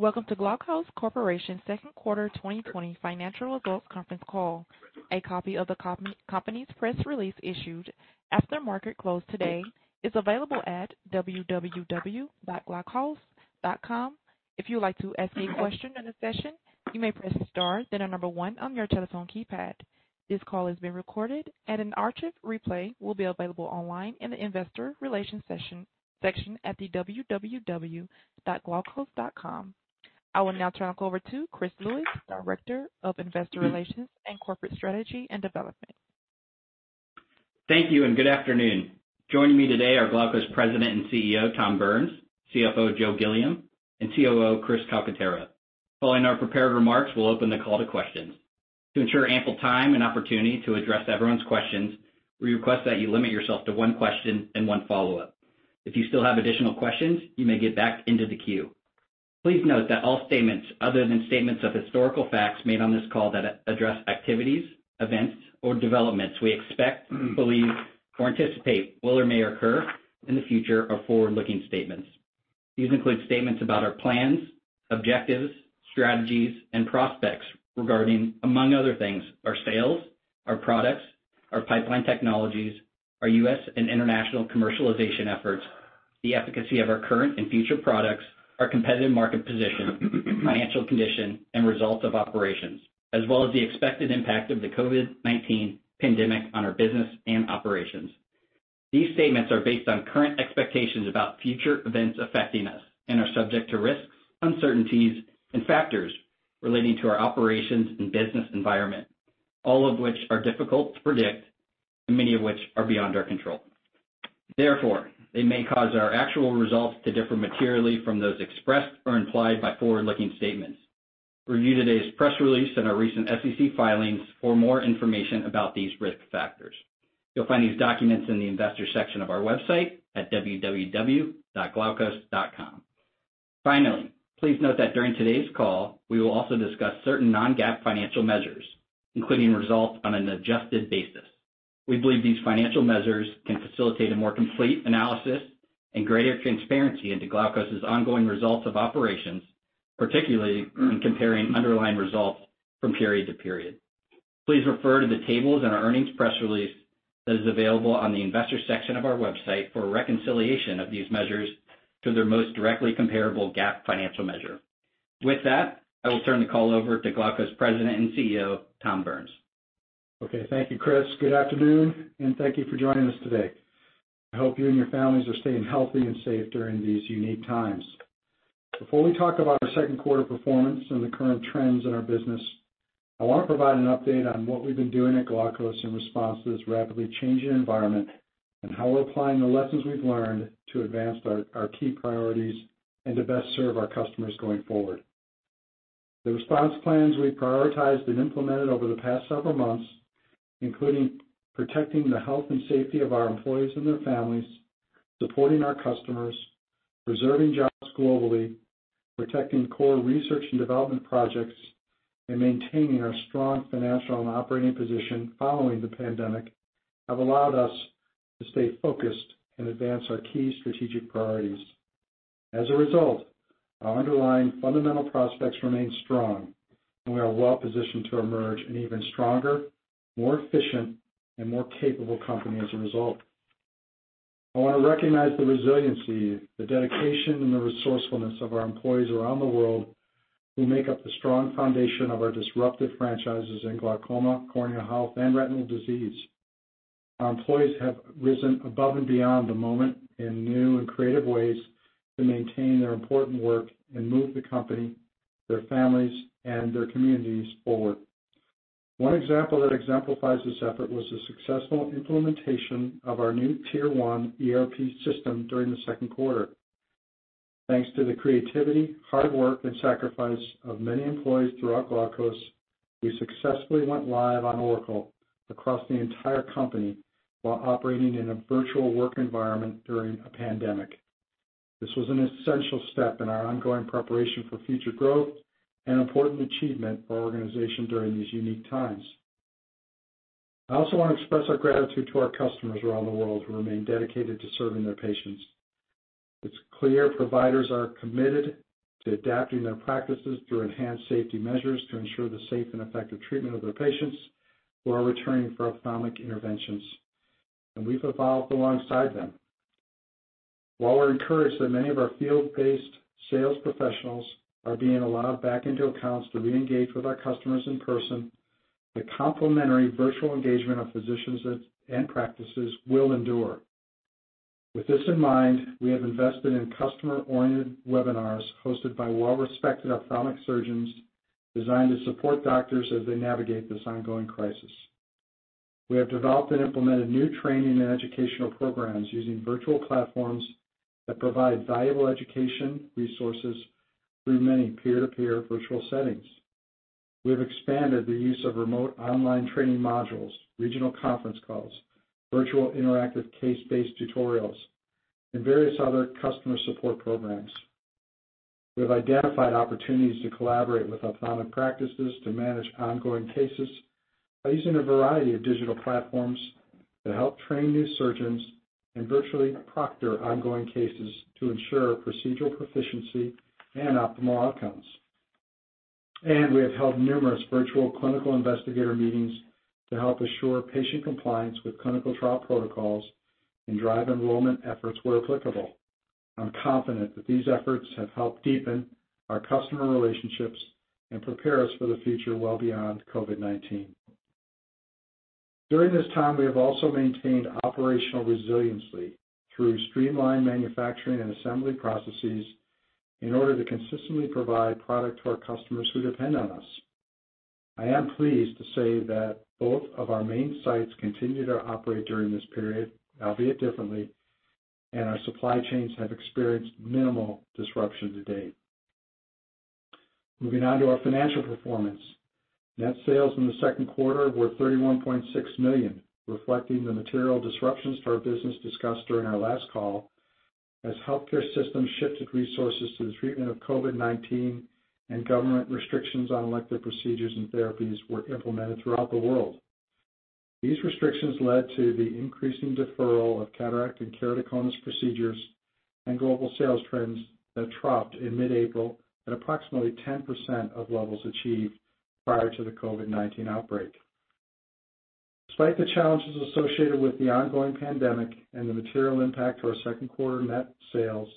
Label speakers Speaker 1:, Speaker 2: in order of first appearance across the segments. Speaker 1: Welcome to Glaukos Corporation second quarter 2020 financial results conference call. A copy of the company's press release issued after market close today is available at www.glaukos.com. If you would like to ask a question in this session, you may press star then the number one on your telephone keypad. This call is being recorded and an archive replay will be available online in the investor relations section at the www.glaukos.com. I will now turn the call over to Chris Lewis, Director of Investor Relations and Corporate Strategy and Development.
Speaker 2: Thank you and good afternoon. Joining me today are Glaukos President and CEO, Tom Burns, CFO, Joe Gilliam, and COO, Chris Calcaterra. Following our prepared remarks, we'll open the call to questions. To ensure ample time and opportunity to address everyone's questions, we request that you limit yourself to one question and one follow-up. If you still have additional questions, you may get back into the queue. Please note that all statements other than statements of historical facts made on this call that address activities, events, or developments we expect, believe, or anticipate will or may occur in the future are forward-looking statements. These include statements about our plans, objectives, strategies, and prospects regarding, among other things, our sales, our products, our pipeline technologies, our U.S. and international commercialization efforts, the efficacy of our current and future products, our competitive market position, financial condition, and results of operations, as well as the expected impact of the COVID-19 pandemic on our business and operations. These statements are based on current expectations about future events affecting us and are subject to risks, uncertainties, and factors relating to our operations and business environment, all of which are difficult to predict, and many of which are beyond our control. Therefore, they may cause our actual results to differ materially from those expressed or implied by forward-looking statements. Review today's press release and our recent SEC filings for more information about these risk factors. You'll find these documents in the investor section of our website at www.glaukos.com. Finally, please note that during today's call, we will also discuss certain non-GAAP financial measures, including results on an adjusted basis. We believe these financial measures can facilitate a more complete analysis and greater transparency into Glaukos' ongoing results of operations, particularly when comparing underlying results from period to period. Please refer to the tables in our earnings press release that is available on the investor section of our website for a reconciliation of these measures to their most directly comparable GAAP financial measure. With that, I will turn the call over to Glaukos President and CEO, Tom Burns.
Speaker 3: Okay. Thank you, Chris. Good afternoon and thank you for joining us today. I hope you and your families are staying healthy and safe during these unique times. Before we talk about our second quarter performance and the current trends in our business, I want to provide an update on what we've been doing at Glaukos in response to this rapidly changing environment and how we're applying the lessons we've learned to advance our key priorities and to best serve our customers going forward. The response plans we've prioritized and implemented over the past several months, including protecting the health and safety of our employees and their families, supporting our customers, preserving jobs globally, protecting core research and development projects, and maintaining our strong financial and operating position following the pandemic, have allowed us to stay focused and advance our key strategic priorities. Our underlying fundamental prospects remain strong, we are well positioned to emerge an even stronger, more efficient, and more capable company as a result. I want to recognize the resiliency, the dedication, and the resourcefulness of our employees around the world who make up the strong foundation of our disruptive franchises in glaucoma, corneal health, and retinal disease. Our employees have risen above and beyond the moment in new and creative ways to maintain their important work and move the company, their families, and their communities forward. One example that exemplifies this effort was the successful implementation of our new Tier 1 ERP system during the second quarter. Thanks to the creativity, hard work, and sacrifice of many employees throughout Glaukos, we successfully went live on Oracle across the entire company while operating in a virtual work environment during a pandemic. This was an essential step in our ongoing preparation for future growth and an important achievement for our organization during these unique times. I also want to express our gratitude to our customers around the world who remain dedicated to serving their patients. It's clear providers are committed to adapting their practices through enhanced safety measures to ensure the safe and effective treatment of their patients who are returning for ophthalmic interventions, and we've evolved alongside them. While we're encouraged that many of our field-based sales professionals are being allowed back into accounts to reengage with our customers in person, the complementary virtual engagement of physicians and practices will endure. With this in mind, we have invested in customer-oriented webinars hosted by well-respected ophthalmic surgeons designed to support doctors as they navigate this ongoing crisis. We have developed and implemented new training and educational programs using virtual platforms that provide valuable education resources through many peer-to-peer virtual settings. We have expanded the use of remote online training modules, regional conference calls, virtual interactive case-based tutorials, and various other customer support programs. We have identified opportunities to collaborate with ophthalmic practices to manage ongoing cases by using a variety of digital platforms to help train new surgeons and virtually proctor ongoing cases to ensure procedural proficiency and optimal outcomes. We have held numerous virtual clinical investigator meetings to help assure patient compliance with clinical trial protocols and drive enrollment efforts where applicable. I'm confident that these efforts have helped deepen our customer relationships and prepare us for the future well beyond COVID-19. During this time, we have also maintained operational resiliency through streamlined manufacturing and assembly processes in order to consistently provide product to our customers who depend on us. I am pleased to say that both of our main sites continued to operate during this period, albeit differently, and our supply chains have experienced minimal disruption to date. Moving on to our financial performance. Net sales in the second quarter were $31.6 million, reflecting the material disruptions to our business discussed during our last call as healthcare systems shifted resources to the treatment of COVID-19 and government restrictions on elective procedures and therapies were implemented throughout the world. These restrictions led to the increasing deferral of cataract and keratoconus procedures, global sales trends that dropped in mid-April at approximately 10% of levels achieved prior to the COVID-19 outbreak. Despite the challenges associated with the ongoing pandemic and the material impact to our second quarter net sales,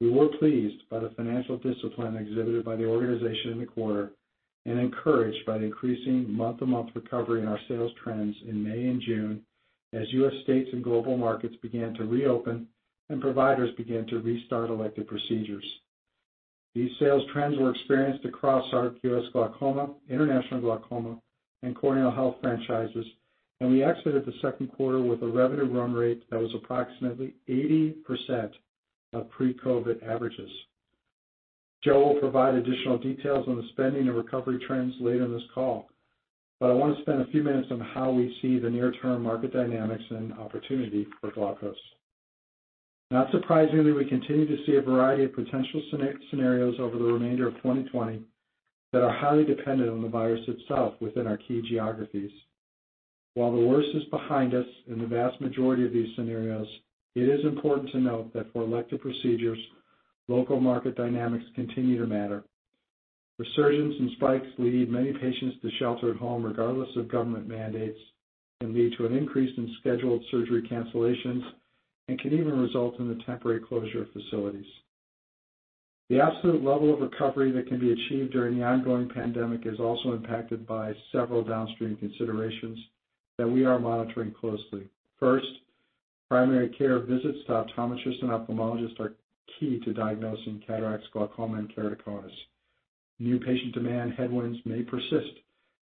Speaker 3: we were pleased by the financial discipline exhibited by the organization in the quarter and encouraged by the increasing month-to-month recovery in our sales trends in May and June as U.S. states and global markets began to reopen and providers began to restart elective procedures. These sales trends were experienced across our U.S. glaucoma, international glaucoma, and corneal health franchises, and we exited the second quarter with a revenue run rate that was approximately 80% of pre-COVID averages. Joe will provide additional details on the spending and recovery trends later in this call, I want to spend a few minutes on how we see the near-term market dynamics and opportunity for Glaukos. Not surprisingly, we continue to see a variety of potential scenarios over the remainder of 2020 that are highly dependent on the virus itself within our key geographies. While the worst is behind us in the vast majority of these scenarios, it is important to note that for elective procedures, local market dynamics continue to matter. Resurgences and spikes lead many patients to shelter at home regardless of government mandates and lead to an increase in scheduled surgery cancellations and can even result in the temporary closure of facilities. The absolute level of recovery that can be achieved during the ongoing pandemic is also impacted by several downstream considerations that we are monitoring closely. First, primary care visits to optometrists and ophthalmologists are key to diagnosing cataracts, glaucoma, and keratoconus. New patient demand headwinds may persist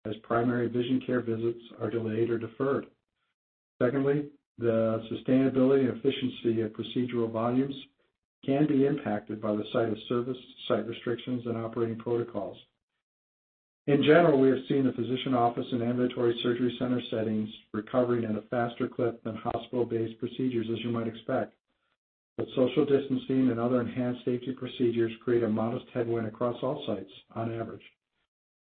Speaker 3: as primary vision care visits are delayed or deferred. Secondly, the sustainability and efficiency of procedural volumes can be impacted by the site of service, site restrictions, and operating protocols. In general, we are seeing the physician office and ambulatory surgery center settings recovering at a faster clip than hospital-based procedures, as you might expect. Social distancing and other enhanced safety procedures create a modest headwind across all sites on average.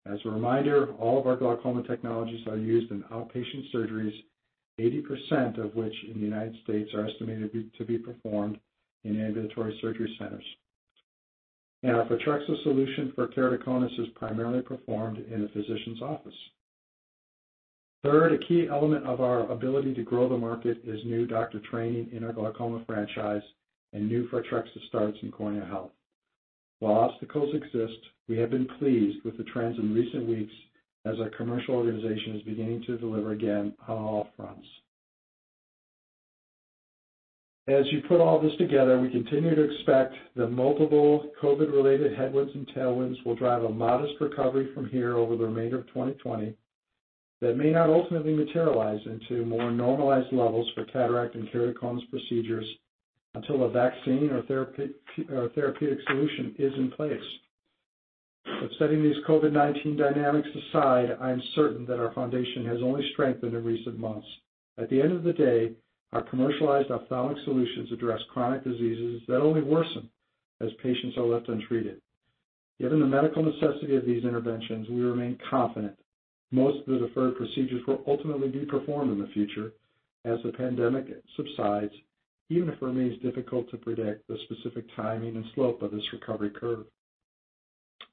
Speaker 3: As a reminder, all of our glaucoma technologies are used in outpatient surgeries, 80% of which in the United States are estimated to be performed in ambulatory surgery centers. Our Photrexa solution for keratoconus is primarily performed in a physician's office. Third, a key element of our ability to grow the market is new doctor training in our glaucoma franchise and new Photrexa starts in cornea health. While obstacles exist, we have been pleased with the trends in recent weeks as our commercial organization is beginning to deliver again on all fronts. As you put all this together, we continue to expect that multiple COVID-related headwinds and tailwinds will drive a modest recovery from here over the remainder of 2020 that may not ultimately materialize into more normalized levels for cataract and keratoconus procedures until a vaccine or therapeutic solution is in place. Setting these COVID-19 dynamics aside, I am certain that our foundation has only strengthened in recent months. At the end of the day, our commercialized ophthalmic solutions address chronic diseases that only worsen as patients are left untreated. Given the medical necessity of these interventions, we remain confident most of the deferred procedures will ultimately be performed in the future as the pandemic subsides, even if it remains difficult to predict the specific timing and slope of this recovery curve.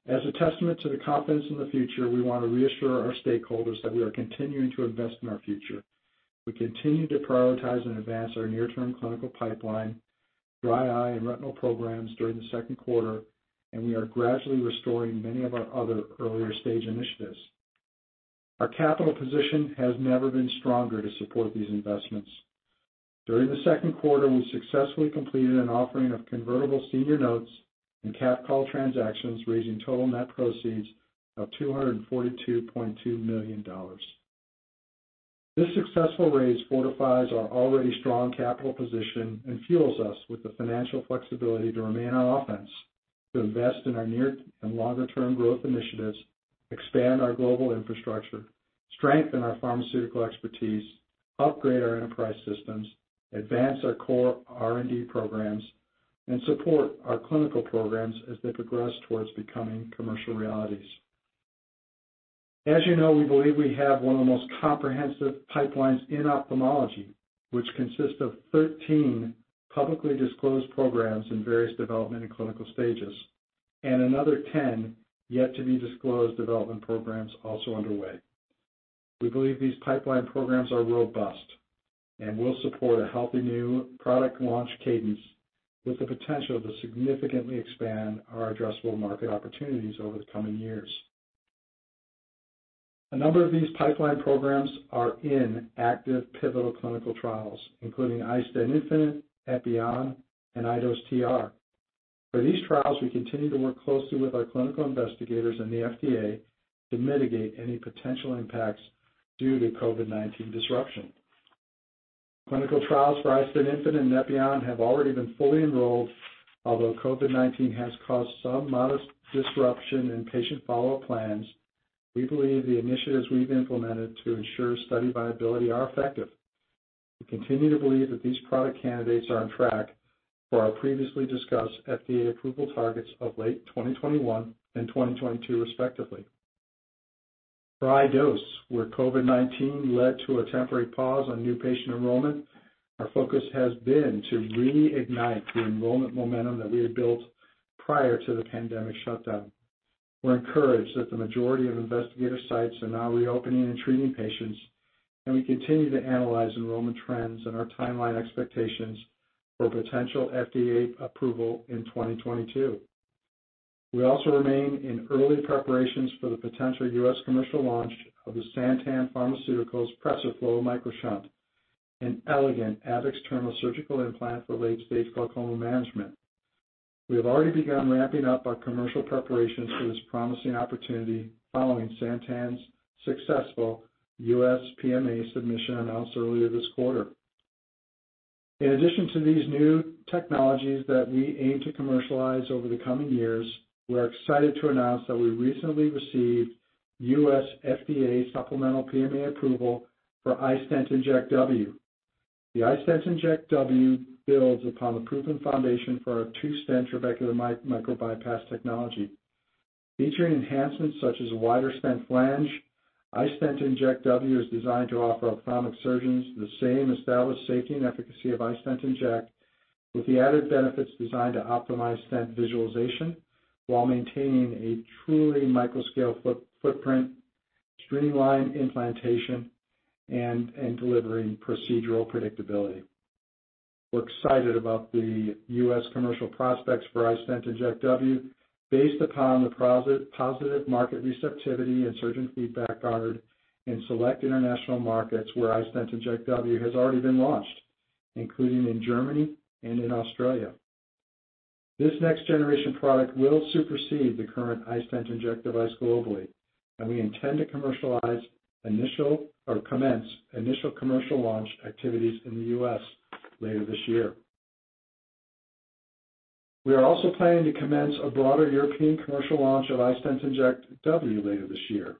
Speaker 3: As a testament to the confidence in the future, we want to reassure our stakeholders that we are continuing to invest in our future. We continue to prioritize and advance our near-term clinical pipeline, dry eye and retinal programs during the second quarter, and we are gradually restoring many of our other earlier-stage initiatives. Our capital position has never been stronger to support these investments. During the second quarter, we successfully completed an offering of convertible senior notes and cap call transactions, raising total net proceeds of $242.2 million. This successful raise fortifies our already strong capital position and fuels us with the financial flexibility to remain on offense to invest in our near and longer-term growth initiatives, expand our global infrastructure, strengthen our pharmaceutical expertise, upgrade our enterprise systems, advance our core R&D programs, and support our clinical programs as they progress towards becoming commercial realities. As you know, we believe we have one of the most comprehensive pipelines in ophthalmology, which consists of 13 publicly disclosed programs in various development and clinical stages, and another 10 yet to be disclosed development programs also underway. We believe these pipeline programs are robust and will support a healthy new product launch cadence with the potential to significantly expand our addressable market opportunities over the coming years. A number of these pipeline programs are in active pivotal clinical trials, including iStent infinite, Epioxa, and iDose TR. For these trials, we continue to work closely with our clinical investigators and the FDA to mitigate any potential impacts due to COVID-19 disruption. Clinical trials for iStent infinite and Epioxa have already been fully enrolled. Although COVID-19 has caused some modest disruption in patient follow-up plans, we believe the initiatives we've implemented to ensure study viability are effective. We continue to believe that these product candidates are on track for our previously discussed FDA approval targets of late 2021 and 2022, respectively. For iDose, where COVID-19 led to a temporary pause on new patient enrollment, our focus has been to reignite the enrollment momentum that we had built prior to the pandemic shutdown. We're encouraged that the majority of investigator sites are now reopening and treating patients, and we continue to analyze enrollment trends and our timeline expectations for potential FDA approval in 2022. We also remain in early preparations for the potential U.S. commercial launch of the Santen Pharmaceutical PRESERFLO MicroShunt, an elegant ab-externo surgical implant for late-stage glaucoma management. We have already begun ramping up our commercial preparations for this promising opportunity following Santen's successful U.S. PMA submission announced earlier this quarter. In addition to these new technologies that we aim to commercialize over the coming years, we are excited to announce that we recently received U.S. FDA supplemental PMA approval for iStent inject W. The iStent inject W builds upon the proven foundation for our two-stent trabecular micro-bypass technology. Featuring enhancements such as a wider stent flange, iStent inject W is designed to offer ophthalmic surgeons the same established safety and efficacy of iStent inject, with the added benefits designed to optimize stent visualization while maintaining a truly micro-scale footprint, streamlined implantation, and delivering procedural predictability. We're excited about the U.S. commercial prospects for iStent inject W based upon the positive market receptivity and surgeon feedback gathered in select international markets where iStent inject W has already been launched, including in Germany and in Australia. This next-generation product will supersede the current iStent inject device globally, we intend to commence initial commercial launch activities in the U.S. later this year. We are also planning to commence a broader European commercial launch of iStent inject W later this year.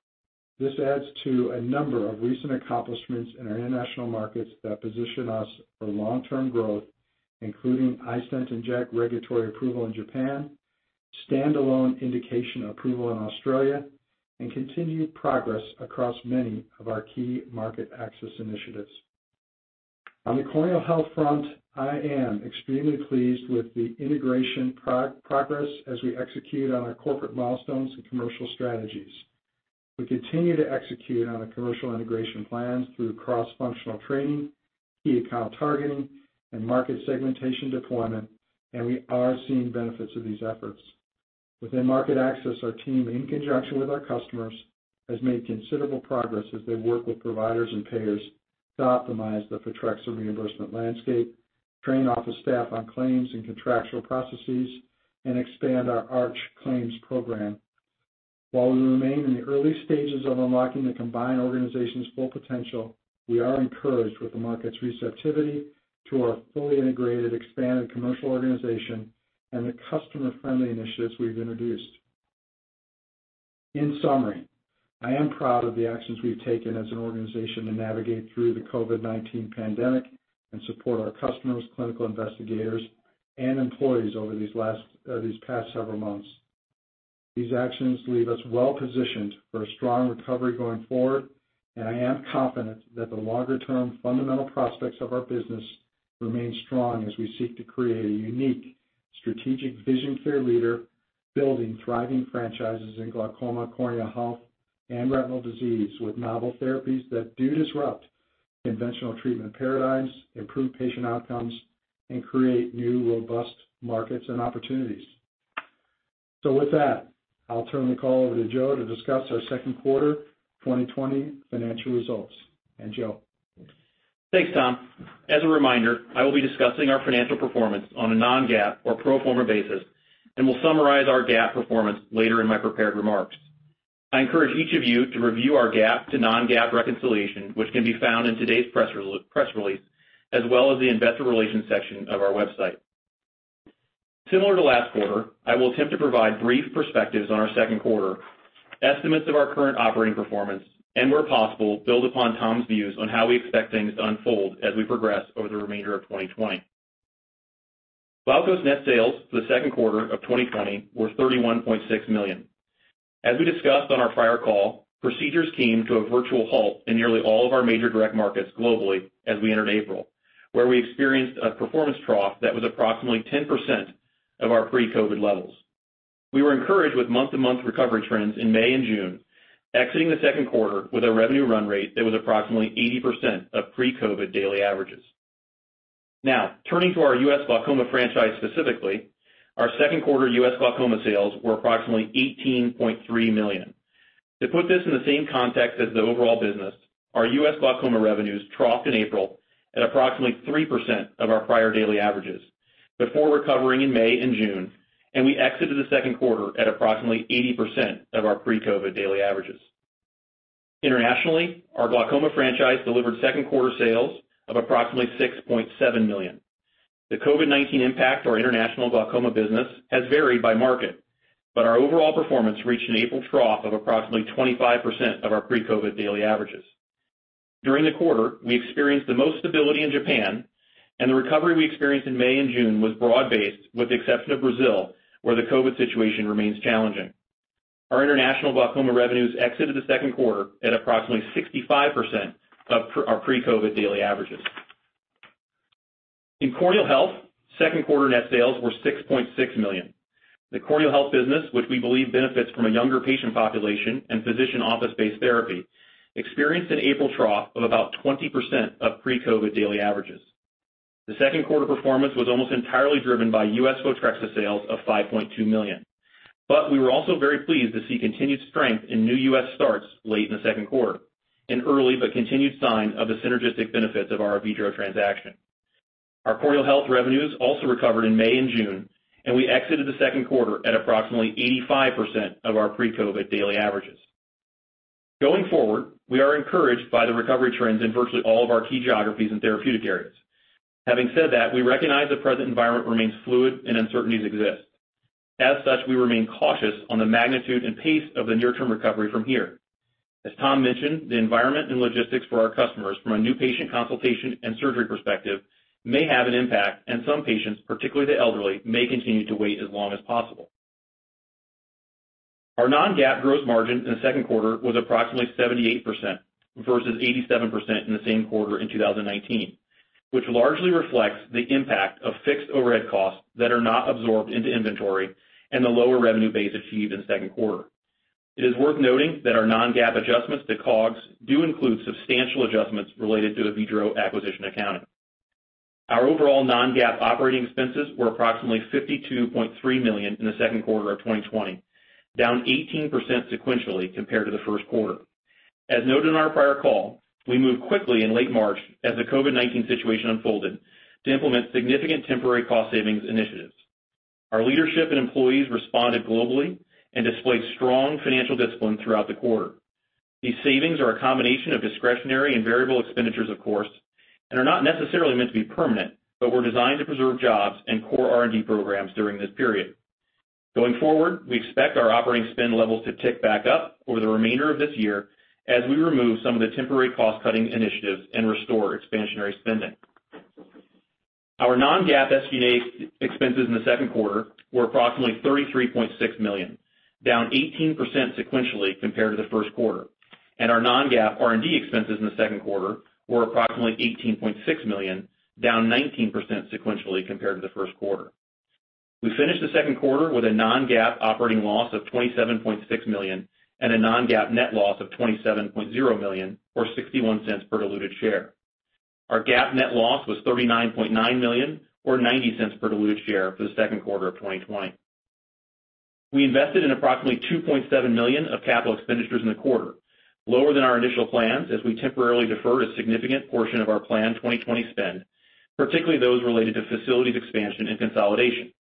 Speaker 3: This adds to a number of recent accomplishments in our international markets that position us for long-term growth, including iStent inject regulatory approval in Japan, stand-alone indication approval in Australia, and continued progress across many of our key market access initiatives. On the corneal health front, I am extremely pleased with the integration progress as we execute on our corporate milestones and commercial strategies. We continue to execute on our commercial integration plans through cross-functional training, key account targeting, and market segmentation deployment. We are seeing benefits of these efforts. Within market access, our team, in conjunction with our customers, has made considerable progress as they work with providers and payers to optimize the Photrexa reimbursement landscape, train office staff on claims and contractual processes, and expand our ARCH claims program. While we remain in the early stages of unlocking the combined organization's full potential, we are encouraged with the market's receptivity to our fully integrated, expanded commercial organization and the customer-friendly initiatives we've introduced. In summary, I am proud of the actions we've taken as an organization to navigate through the COVID-19 pandemic and support our customers, clinical investigators, and employees over these past several months. These actions leave us well-positioned for a strong recovery going forward, and I am confident that the longer-term fundamental prospects of our business remain strong as we seek to create a unique strategic vision care leader, building thriving franchises in Glaucoma, Corneal Health, and Retinal Disease with novel therapies that disrupt conventional treatment paradigms, improve patient outcomes, and create new, robust markets and opportunities. With that, I'll turn the call over to Joe to discuss our second quarter 2020 financial results. Joe.
Speaker 4: Thanks, Tom. As a reminder, I will be discussing our financial performance on a non-GAAP or pro forma basis and will summarize our GAAP performance later in my prepared remarks. I encourage each of you to review our GAAP to non-GAAP reconciliation, which can be found in today's press release, as well as the investor relations section of our website. Similar to last quarter, I will attempt to provide brief perspectives on our second quarter estimates of our current operating performance and where possible, build upon Tom's views on how we expect things to unfold as we progress over the remainder of 2020. Glaukos net sales for the second quarter of 2020 were $31.6 million. As we discussed on our prior call, procedures came to a virtual halt in nearly all of our major direct markets globally as we entered April, where we experienced a performance trough that was approximately 10% of our pre-COVID levels. We were encouraged with month-to-month recovery trends in May and June, exiting the second quarter with a revenue run rate that was approximately 80% of pre-COVID daily averages. Turning to our U.S. glaucoma franchise specifically, our second quarter U.S. glaucoma sales were approximately $18.3 million. To put this in the same context as the overall business, our U.S. glaucoma revenues troughed in April at approximately 3% of our prior daily averages before recovering in May and June, and we exited the second quarter at approximately 80% of our pre-COVID daily averages. Internationally, our glaucoma franchise delivered second quarter sales of approximately $6.7 million. The COVID-19 impact to our international glaucoma business has varied by market, but our overall performance reached an April trough of approximately 25% of our pre-COVID daily averages. During the quarter, we experienced the most stability in Japan, and the recovery we experienced in May and June was broad-based with the exception of Brazil, where the COVID situation remains challenging. Our international glaucoma revenues exited the second quarter at approximately 65% of our pre-COVID daily averages. In corneal health, second quarter net sales were $6.6 million. The corneal health business, which we believe benefits from a younger patient population and physician office-based therapy, experienced an April trough of about 20% of pre-COVID daily averages. The second quarter performance was almost entirely driven by U.S. Photrexa sales of $5.2 million. We were also very pleased to see continued strength in new U.S. starts late in the second quarter, an early but continued sign of the synergistic benefits of our Avedro transaction. Our corneal health revenues also recovered in May and June, and we exited the second quarter at approximately 85% of our pre-COVID daily averages. Going forward, we are encouraged by the recovery trends in virtually all of our key geographies and therapeutic areas. Having said that, we recognize the present environment remains fluid and uncertainties exist. As such, we remain cautious on the magnitude and pace of the near-term recovery from here. As Tom mentioned, the environment and logistics for our customers from a new patient consultation and surgery perspective may have an impact, and some patients, particularly the elderly, may continue to wait as long as possible. Our non-GAAP gross margin in the second quarter was approximately 78% versus 87% in the same quarter in 2019, which largely reflects the impact of fixed overhead costs that are not absorbed into inventory and the lower revenue base achieved in the second quarter. It is worth noting that our non-GAAP adjustments to COGS do include substantial adjustments related to Avedro acquisition accounting. Our overall non-GAAP operating expenses were approximately $52.3 million in the second quarter of 2020, down 18% sequentially compared to the first quarter. As noted on our prior call, we moved quickly in late March as the COVID-19 situation unfolded to implement significant temporary cost savings initiatives. Our leadership and employees responded globally and displayed strong financial discipline throughout the quarter. These savings are a combination of discretionary and variable expenditures, of course, and are not necessarily meant to be permanent, but were designed to preserve jobs and core R&D programs during this period. Going forward, we expect our operating spend levels to tick back up over the remainder of this year as we remove some of the temporary cost-cutting initiatives and restore expansionary spending. Our non-GAAP SG&A expenses in the second quarter were approximately $33.6 million, down 18% sequentially compared to the first quarter, and our non-GAAP R&D expenses in the second quarter were approximately $18.6 million, down 19% sequentially compared to the first quarter. We finished the second quarter with a non-GAAP operating loss of $27.6 million and a non-GAAP net loss of $27.0 million or $0.61 per diluted share. Our GAAP net loss was $39.9 million or $0.90 per diluted share for the second quarter of 2020. We invested in approximately $2.7 million of capital expenditures in the quarter, lower than our initial plans as we temporarily deferred a significant portion of our planned 2020 spend, particularly those related to facilities expansion and consolidation.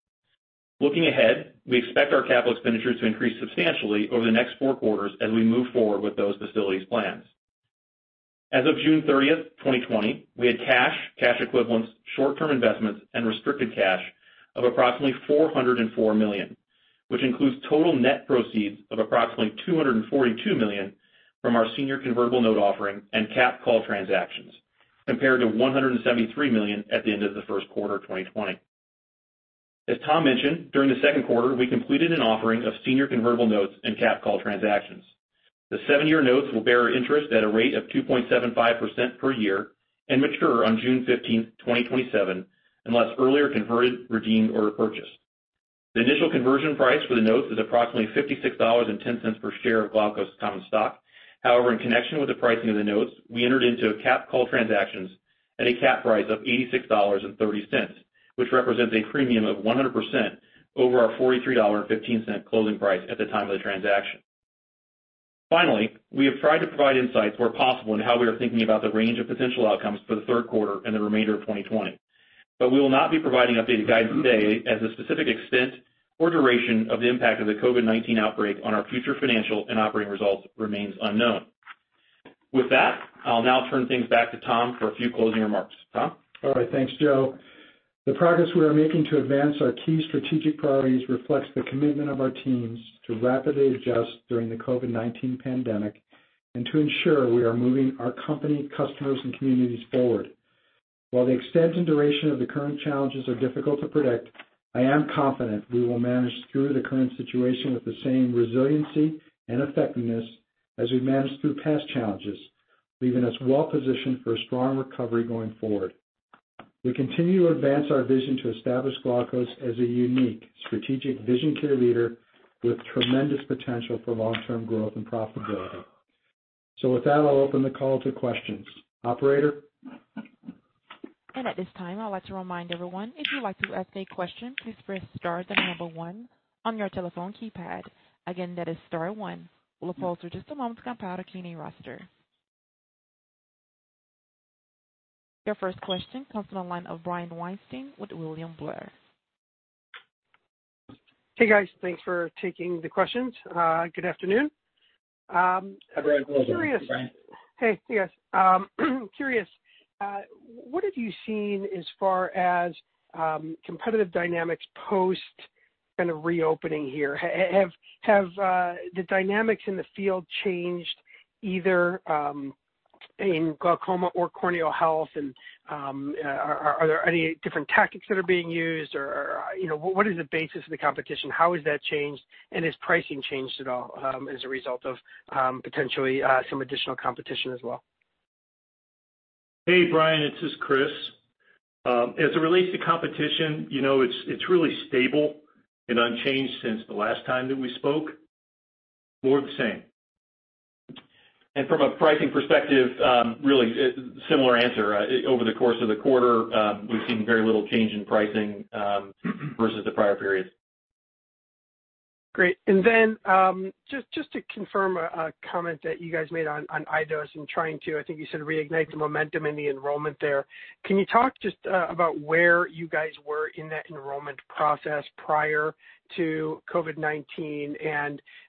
Speaker 4: Looking ahead, we expect our capital expenditures to increase substantially over the next four quarters as we move forward with those facilities plans. As of June 30th, 2020, we had cash equivalents, short-term investments, and restricted cash of approximately $404 million, which includes total net proceeds of approximately $242 million from our senior convertible note offering and cap call transactions, compared to $173 million at the end of the first quarter of 2020. As Tom mentioned, during the second quarter, we completed an offering of senior convertible notes and cap call transactions. The seven-year notes will bear interest at a rate of 2.75% per year and mature on June 15th, 2027, unless earlier converted, redeemed, or repurchased. The initial conversion price for the notes is approximately $56.10 per share of Glaukos common stock. However, in connection with the pricing of the notes, we entered into cap call transactions at a cap price of $86.30, which represents a premium of 100% over our $43.15 closing price at the time of the transaction. Finally, we have tried to provide insights where possible into how we are thinking about the range of potential outcomes for the third quarter and the remainder of 2020. We will not be providing updated guidance today as the specific extent or duration of the impact of the COVID-19 outbreak on our future financial and operating results remains unknown. With that, I'll now turn things back to Tom for a few closing remarks. Tom?
Speaker 3: All right. Thanks, Joe. The progress we are making to advance our key strategic priorities reflects the commitment of our teams to rapidly adjust during the COVID-19 pandemic, and to ensure we are moving our company, customers, and communities forward. While the extent and duration of the current challenges are difficult to predict, I am confident we will manage through the current situation with the same resiliency and effectiveness as we managed through past challenges, leaving us well positioned for a strong recovery going forward. We continue to advance our vision to establish Glaukos as a unique strategic vision care leader with tremendous potential for long-term growth and profitability. With that, I'll open the call to questions. Operator?
Speaker 1: At this time, I'd like to remind everyone, if you'd like to ask a question, please press star then number one on your telephone keypad. Again, that is star one. We'll pause for just a moment to compile a queue roster. Your first question comes from the line of Brian Weinstein with William Blair.
Speaker 5: Hey, guys. Thanks for taking the questions. Good afternoon.
Speaker 3: Hi, Brian.
Speaker 4: Hi, Brian.
Speaker 5: Hey, you guys. Curious, what have you seen as far as competitive dynamics post kind of reopening here? Have the dynamics in the field changed either in glaucoma or corneal health? Are there any different tactics that are being used, or what is the basis of the competition? Has that changed, has pricing changed at all as a result of potentially some additional competition as well?
Speaker 6: Hey, Brian, this is Chris. As it relates to competition, it's really stable and unchanged since the last time that we spoke. More of the same.
Speaker 4: From a pricing perspective, really similar answer. Over the course of the quarter, we've seen very little change in pricing versus the prior periods.
Speaker 5: Great. Just to confirm a comment that you guys made on iDose and trying to, I think you said, reignite the momentum in the enrollment there. Can you talk just about where you guys were in that enrollment process prior to COVID-19?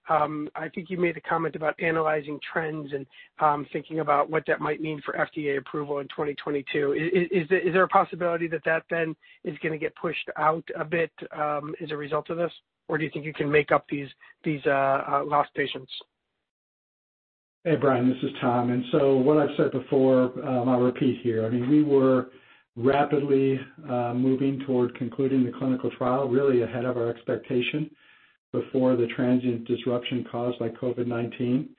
Speaker 5: I think you made the comment about analyzing trends and thinking about what that might mean for FDA approval in 2022. Is there a possibility that that then is going to get pushed out a bit as a result of this? Do you think you can make up these lost patients?
Speaker 3: Hey, Brian, this is Tom. What I've said before, I'll repeat here. We were rapidly moving toward concluding the clinical trial, really ahead of our expectation, before the transient disruption caused by COVID-19.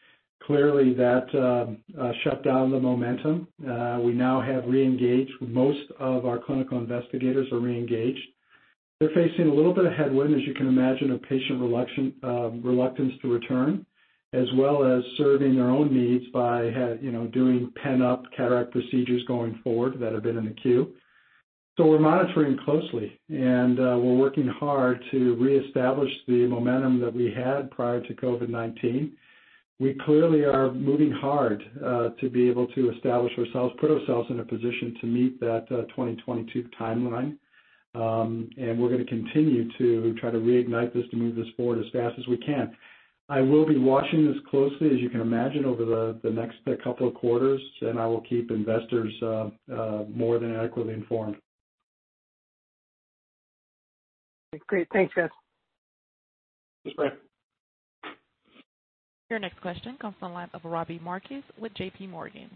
Speaker 3: Clearly, that shut down the momentum. We now have reengaged. Most of our clinical investigators are reengaged. They're facing a little bit of headwind, as you can imagine, of patient reluctance to return, as well as serving their own needs by doing pent-up cataract procedures going forward that have been in the queue. We're monitoring closely, and we're working hard to reestablish the momentum that we had prior to COVID-19. We clearly are moving hard to be able to establish ourselves, put ourselves in a position to meet that 2022 timeline. We're going to continue to try to reignite this to move this forward as fast as we can. I will be watching this closely, as you can imagine, over the next couple of quarters, and I will keep investors more than adequately informed.
Speaker 5: Great. Thanks, guys.
Speaker 3: Thanks, Brian.
Speaker 1: Your next question comes from the line of Robbie Marcus with JPMorgan.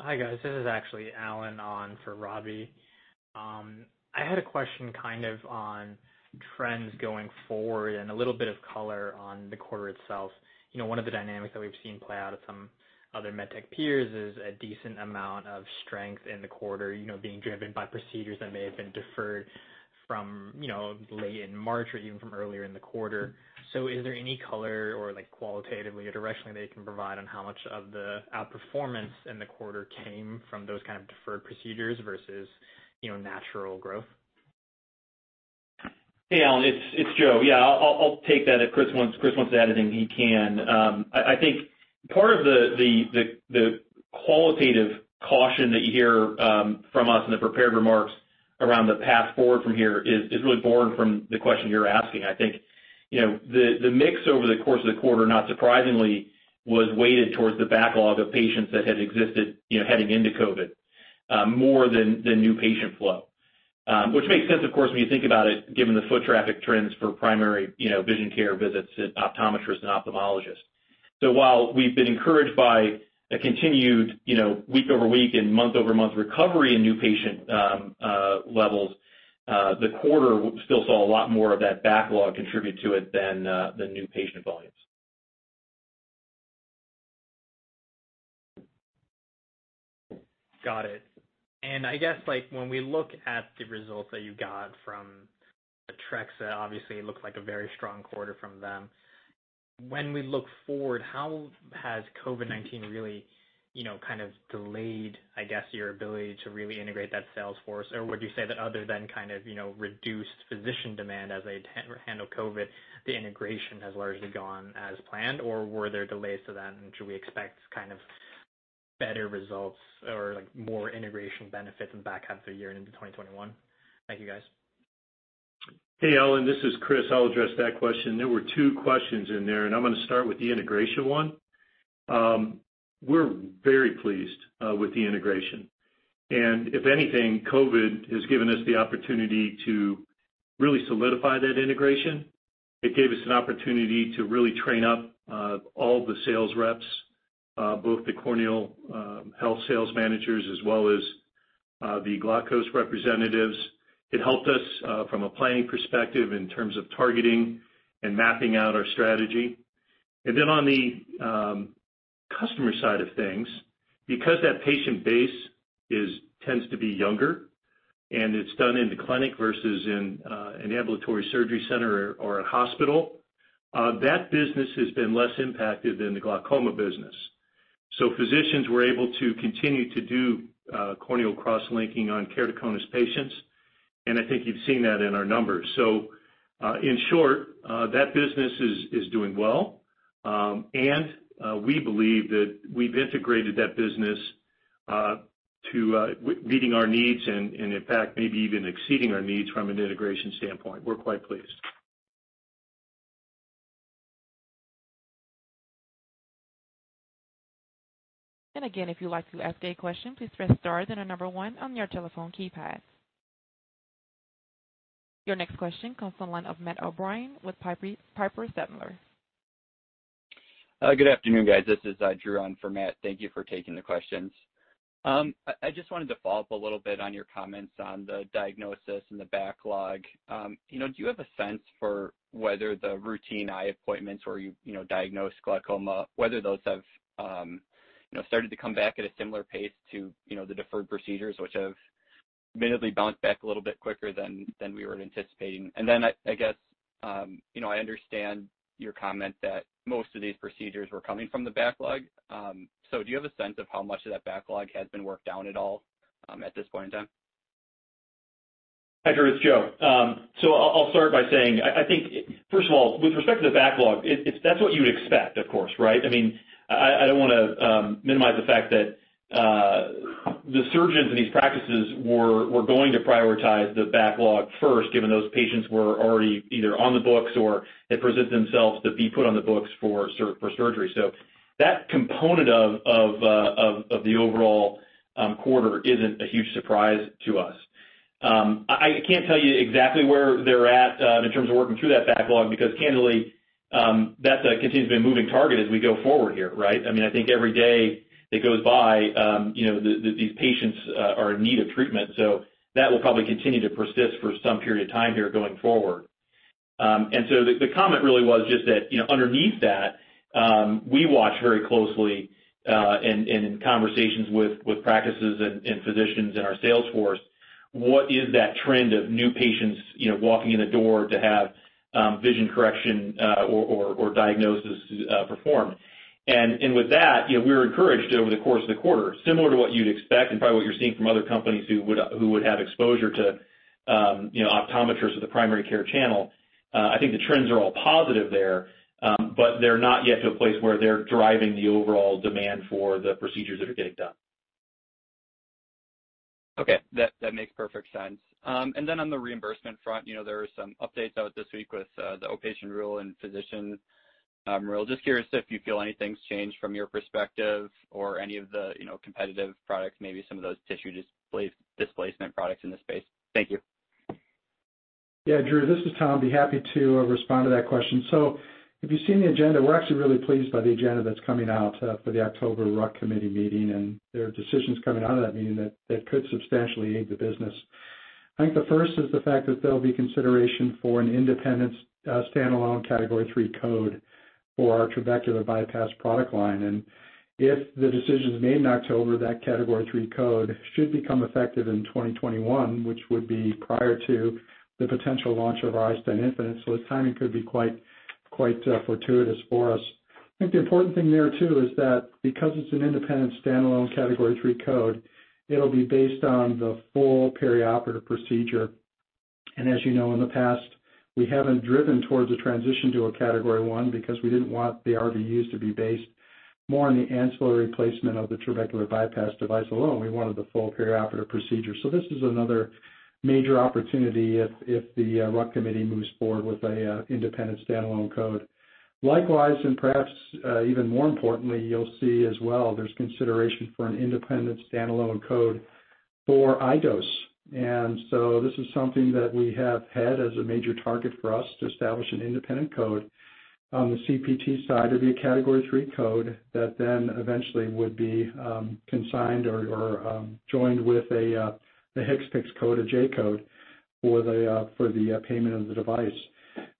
Speaker 7: Hi, guys. This is actually Alan on for Robbie. I had a question kind of on trends going forward and a little bit of color on the quarter itself. One of the dynamics that we've seen play out at some other medtech peers is a decent amount of strength in the quarter, being driven by procedures that may have been deferred from late in March or even from earlier in the quarter. Is there any color or qualitatively or directionally that you can provide on how much of the outperformance in the quarter came from those kind of deferred procedures versus natural growth?
Speaker 4: Hey, Alan, it's Joe. Yeah, I'll take that. If Chris wants to add anything, he can. I think part of the qualitative caution that you hear from us in the prepared remarks around the path forward from here is really born from the question you're asking. I think the mix over the course of the quarter, not surprisingly, was weighted towards the backlog of patients that had existed heading into COVID, more than new patient flow. Which makes sense, of course, when you think about it, given the foot traffic trends for primary vision care visits at optometrists and ophthalmologists. While we've been encouraged by a continued week-over-week and month-over-month recovery in new patient levels, the quarter still saw a lot more of that backlog contribute to it than the new patient volumes.
Speaker 7: Got it. I guess when we look at the results that you got from Photrexa, obviously it looked like a very strong quarter from them. When we look forward, how has COVID-19 really kind of delayed, I guess, your ability to really integrate that sales force? Would you say that other than kind of reduced physician demand as they handle COVID, the integration has largely gone as planned? Were there delays to that, and should we expect kind of better results or more integration benefits in the back half of the year and into 2021? Thank you, guys.
Speaker 6: Hey, Alan, this is Chris. I'll address that question. There were two questions in there, and I'm going to start with the integration one. We're very pleased with the integration. If anything, COVID-19 has given us the opportunity to really solidify that integration. It gave us an opportunity to really train up all the sales reps, both the corneal health sales managers as well as the Glaukos representatives. It helped us from a planning perspective in terms of targeting and mapping out our strategy. Then on the customer side of things, because that patient base tends to be younger and it's done in the clinic versus in an ambulatory surgery center or a hospital, that business has been less impacted than the glaucoma business. Physicians were able to continue to do corneal cross-linking on keratoconus patients, and I think you've seen that in our numbers. In short, that business is doing well. We believe that we've integrated that business to meeting our needs and, in fact, maybe even exceeding our needs from an integration standpoint. We're quite pleased.
Speaker 1: Again, if you'd like to ask a question, please press star then the one on your telephone keypad. Your next question comes from the line of Matt O'Brien with Piper Sandler.
Speaker 8: Good afternoon, guys. This is Drew on for Matt. Thank you for taking the questions. I just wanted to follow-up a little bit on your comments on the diagnosis and the backlog. Do you have a sense for whether the routine eye appointments where you diagnose glaucoma, whether those have started to come back at a similar pace to the deferred procedures, which have admittedly bounced back a little bit quicker than we were anticipating? I understand your comment that most of these procedures were coming from the backlog. Do you have a sense of how much of that backlog has been worked down at all at this point in time?
Speaker 4: Hi, Drew. It's Joe. I'll start by saying, I think, first of all, with respect to the backlog, that's what you would expect, of course, right? I don't want to minimize the fact that the surgeons in these practices were going to prioritize the backlog first, given those patients were already either on the books or had presented themselves to be put on the books for surgery. That component of the overall quarter isn't a huge surprise to us. I can't tell you exactly where they're at in terms of working through that backlog, because candidly, that continues to be a moving target as we go forward here, right? I think every day that goes by, these patients are in need of treatment. That will probably continue to persist for some period of time here going forward. The comment really was just that underneath that, we watch very closely and in conversations with practices and physicians in our sales force, what is that trend of new patients walking in the door to have vision correction or diagnosis performed. And with that, we were encouraged over the course of the quarter, similar to what you'd expect and probably what you're seeing from other companies who would have exposure to optometrists or the primary care channel. I think the trends are all positive there, but they're not yet to a place where they're driving the overall demand for the procedures that are getting done.
Speaker 8: Okay. That makes perfect sense. Then on the reimbursement front, there were some updates out this week with the outpatient rule and physician rule. Just curious if you feel anything's changed from your perspective or any of the competitive products, maybe some of those tissue displacement products in the space. Thank you.
Speaker 3: Yeah, Drew, this is Tom. I'd be happy to respond to that question. If you've seen the agenda, we're actually really pleased by the agenda that's coming out for the October RUC Committee meeting. There are decisions coming out of that meeting that could substantially aid the business. I think the first is the fact that there'll be consideration for an independent standalone Category III code for our trabecular bypass product line. If the decisions made in October, that Category III code should become effective in 2021, which would be prior to the potential launch of iStent infinite. The timing could be quite fortuitous for us. I think the important thing there, too, is that because it's an independent standalone Category III code, it'll be based on the full perioperative procedure. As you know, in the past, we haven't driven towards a transition to a Category I because we didn't want the RVUs to be based more on the ancillary placement of the trabecular bypass device alone. We wanted the full perioperative procedure. This is another major opportunity if the RUC committee moves forward with an independent standalone code. Likewise, and perhaps even more importantly, you'll see as well there's consideration for an independent standalone code for iDose. This is something that we have had as a major target for us to establish an independent code on the CPT side. It'll be a Category III code that then eventually would be consigned or joined with a HCPCS code, a J code, for the payment of the device.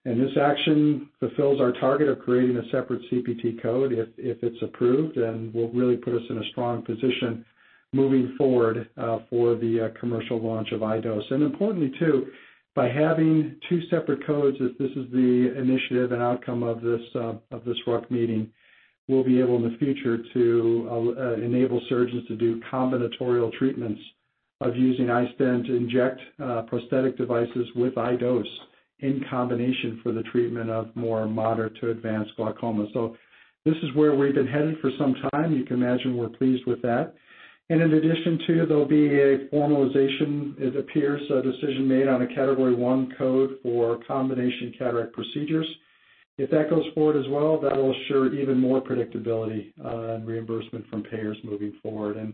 Speaker 3: This action fulfills our target of creating a separate CPT code if it's approved and will really put us in a strong position moving forward for the commercial launch of iDose. Importantly, too, by having two separate codes, if this is the initiative and outcome of this RUC meeting, we'll be able in the future to enable surgeons to do combinatorial treatments of using iStent to inject prosthetic devices with iDose in combination for the treatment of more moderate to advanced glaucoma. This is where we've been headed for some time. You can imagine we're pleased with that. In addition too, there'll be a formalization, it appears, a decision made on a Category I code for combination cataract procedures. If that goes forward as well, that'll assure even more predictability on reimbursement from payers moving forward.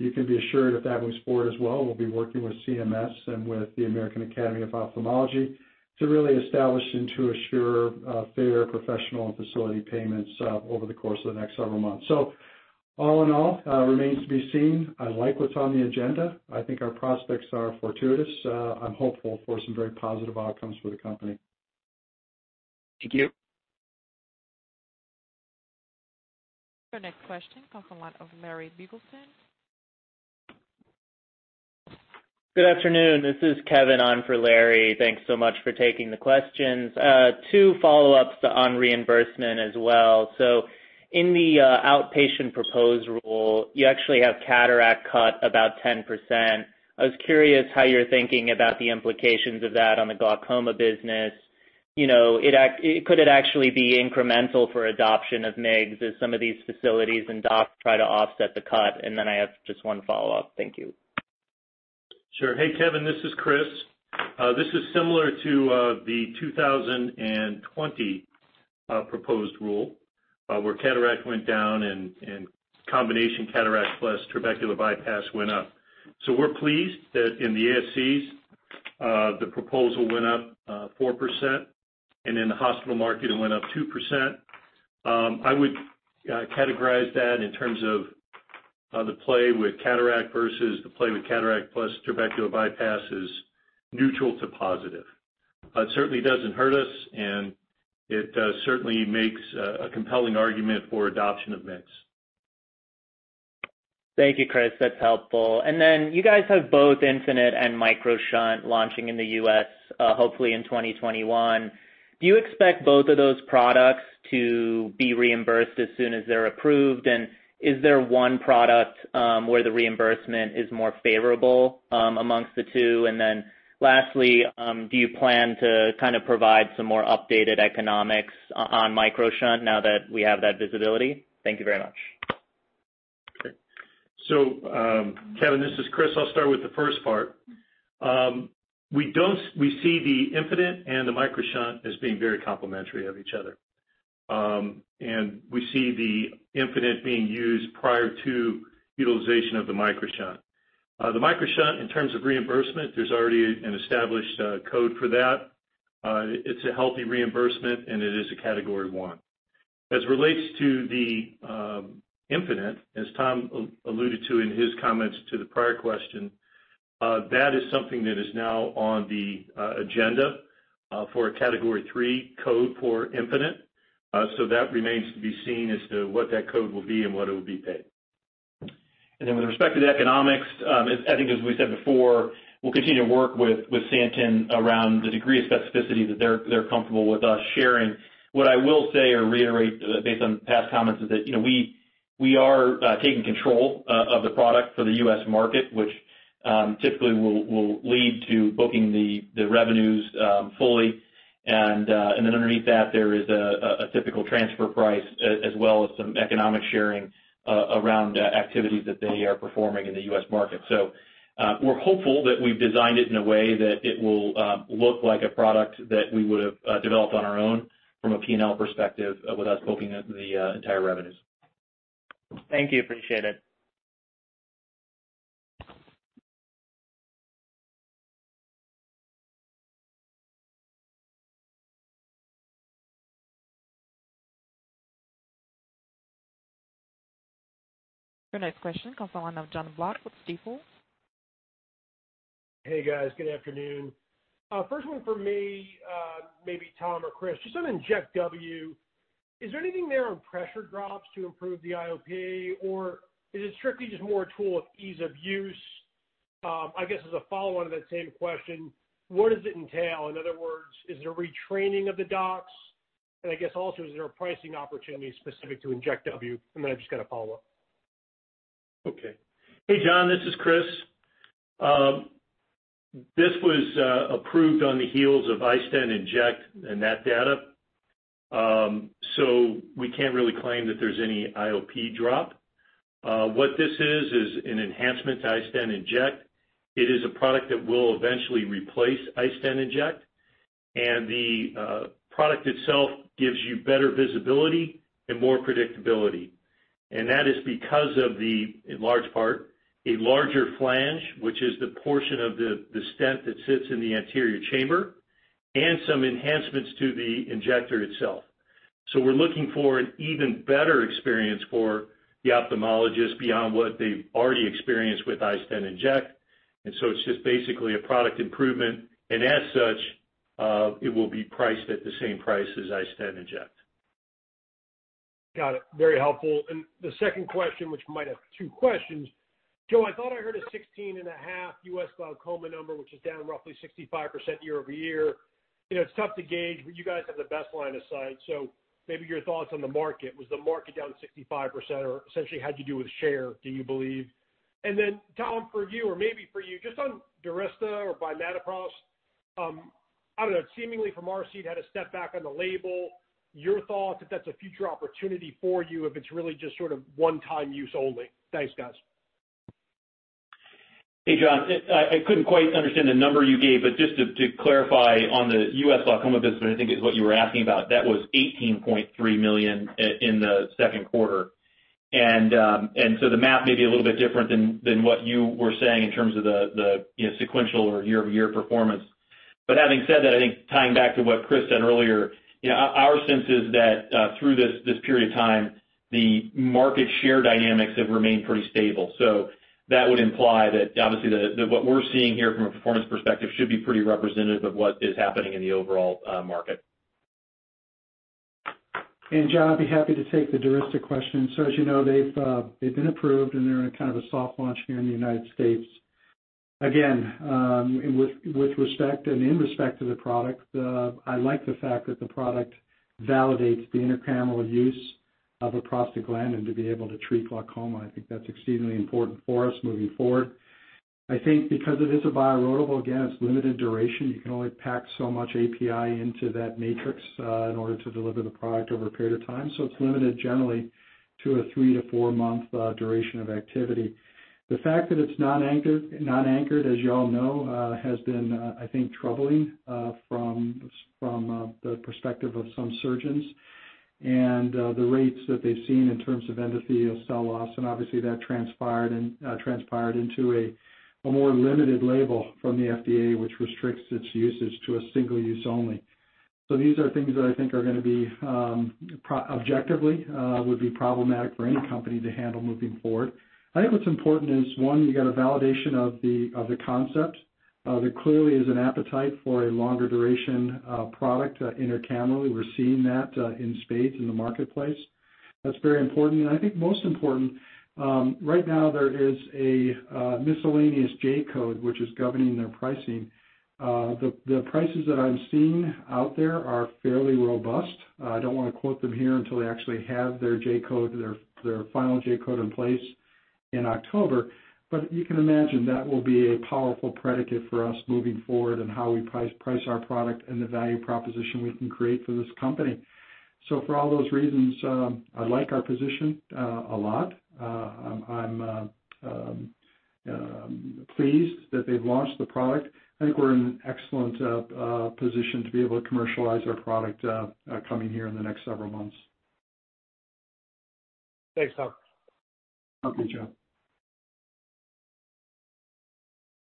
Speaker 3: You can be assured if that moves forward as well, we'll be working with CMS and with the American Academy of Ophthalmology to really establish and to assure fair professional and facility payments over the course of the next several months. All in all, remains to be seen. I like what's on the agenda. I think our prospects are fortuitous. I'm hopeful for some very positive outcomes for the company.
Speaker 8: Thank you.
Speaker 1: Your next question comes from the line of Larry Biegelsen.
Speaker 9: Good afternoon. This is Kevin on for Larry. Thanks so much for taking the questions. Two follow-ups on reimbursement as well. In the outpatient proposed rule, you actually have cataract cut about 10%. I was curious how you're thinking about the implications of that on the glaucoma business. Could it actually be incremental for adoption of MIGS as some of these facilities and docs try to offset the cut? I have just one follow-up. Thank you.
Speaker 6: Sure. Hey, Kevin, this is Chris. This is similar to the 2020 proposed rule, where cataract went down and combination cataract plus trabecular bypass went up. We're pleased that in the ASCs, the proposal went up 4%, and in the hospital market it went up 2%. I would categorize that in terms of the play with cataract versus the play with cataract plus trabecular bypass is neutral to positive. It certainly doesn't hurt us, and it certainly makes a compelling argument for adoption of MIGS.
Speaker 9: Thank you, Chris. That's helpful. You guys have both Infinite and MicroShunt launching in the U.S. hopefully in 2021. Do you expect both of those products to be reimbursed as soon as they're approved? Is there one product where the reimbursement is more favorable amongst the two? Lastly, do you plan to kind of provide some more updated economics on MicroShunt now that we have that visibility? Thank you very much.
Speaker 6: Okay. Kevin, this is Chris. I'll start with the first part. We see the Infinite and the MicroShunt as being very complementary of each other. We see the Infinite being used prior to utilization of the MicroShunt. The MicroShunt, in terms of reimbursement, there's already an established code for that. It's a healthy reimbursement, it is a Category I. As relates to the Infinite, as Tom alluded to in his comments to the prior question, that is something that is now on the agenda for a Category III code for Infinite. That remains to be seen as to what that code will be and what it will be paid.
Speaker 4: With respect to the economics, I think as we said before, we'll continue to work with Santen around the degree of specificity that they're comfortable with us sharing. What I will say or reiterate based on past comments is that we are taking control of the product for the U.S. market, which typically will lead to booking the revenues fully. Underneath that, there is a typical transfer price as well as some economic sharing around activities that they are performing in the U.S. market. We're hopeful that we've designed it in a way that it will look like a product that we would've developed on our own from a P&L perspective with us booking the entire revenues.
Speaker 9: Thank you. Appreciate it.
Speaker 1: Your next question comes on the line of John Block with Stifel.
Speaker 10: Hey, guys. Good afternoon. First one for me, maybe Tom or Chris, just on inject W. Is there anything there on pressure drops to improve the IOP, or is it strictly just more a tool of ease of use? I guess as a follow-on to that same question, what does it entail? In other words, is it a retraining of the docs? I guess also, is there a pricing opportunity specific to inject W? I've just got a follow-up.
Speaker 6: Okay. Hey, John, this is Chris. This was approved on the heels of iStent inject and that data. We can't really claim that there's any IOP drop. What this is an enhancement to iStent inject. It is a product that will eventually replace iStent inject. The product itself gives you better visibility and more predictability. That is because of the, in large part, a larger flange, which is the portion of the stent that sits in the anterior chamber, and some enhancements to the injector itself. We're looking for an even better experience for the ophthalmologist beyond what they've already experienced with iStent inject. It's just basically a product improvement. As such, it will be priced at the same price as iStent inject.
Speaker 10: Got it. Very helpful. The second question, which might have two questions. Joe, I thought I heard a 16.5 U.S. glaucoma number, which is down roughly 65% year-over-year. It's tough to gauge, but you guys have the best line of sight, so maybe your thoughts on the market. Was the market down 65%, or essentially, how'd you do with share, do you believe? Tom, for you, or maybe for you, just on DURYSTA or bimatoprost, I don't know, seemingly from our seat, had a step back on the label. Your thought, if that's a future opportunity for you, if it's really just sort of one-time use only. Thanks, guys.
Speaker 4: Hey, John. I couldn't quite understand the number you gave, but just to clarify on the U.S. glaucoma business, I think is what you were asking about. That was $18.3 million in the second quarter. The math may be a little bit different than what you were saying in terms of the sequential or year-over-year performance. Having said that, I think tying back to what Chris said earlier, our sense is that through this period of time the market share dynamics have remained pretty stable. That would imply that obviously what we're seeing here from a performance perspective should be pretty representative of what is happening in the overall market.
Speaker 3: John, I'd be happy to take the DURYSTA question. As you know, they've been approved, and they're in a kind of a soft launch here in the United States. Again, with respect and in respect to the product, I like the fact that the product validates the intracameral use of a prostaglandin to be able to treat glaucoma. I think that's exceedingly important for us moving forward. I think because it is a bioerodible, again, it's limited duration. You can only pack so much API into that matrix in order to deliver the product over a period of time. It's limited generally to a three to four-month duration of activity. The fact that it's not anchored, as you all know, has been, I think, troubling from the perspective of some surgeons and the rates that they've seen in terms of endothelial cell loss. Obviously, that transpired into a more limited label from the FDA, which restricts its usage to a single use only. These are things that I think objectively would be problematic for any company to handle moving forward. I think what's important is, one, you got a validation of the concept. There clearly is an appetite for a longer duration product, intracameral. We're seeing that in spades in the marketplace. That's very important. I think most important, right now there is a miscellaneous J code, which is governing their pricing. The prices that I'm seeing out there are fairly robust. I don't want to quote them here until they actually have their final J code in place in October. You can imagine that will be a powerful predicate for us moving forward and how we price our product and the value proposition we can create for this company. For all those reasons, I like our position a lot. I'm pleased that they've launched the product. I think we're in an excellent position to be able to commercialize our product coming here in the next several months.
Speaker 10: Thanks, Tom.
Speaker 3: Okay, John.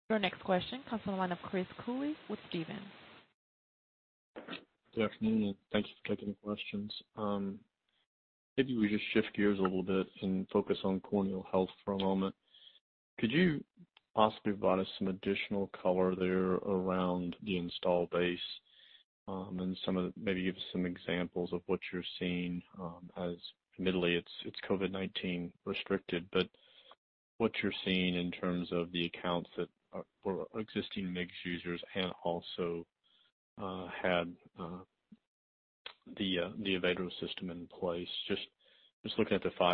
Speaker 1: Your next question comes on the line of Chris Cooley with Stephens.
Speaker 11: Good afternoon, and thank you for taking the questions. We just shift gears a little bit and focus on corneal health for a moment. Could you possibly provide us some additional color there around the install base and maybe give some examples of what you're seeing as, admittedly, it's COVID-19 restricted, but what you're seeing in terms of the accounts that were existing MIGS users and also had the Avedro system in place. Just looking at the 5.2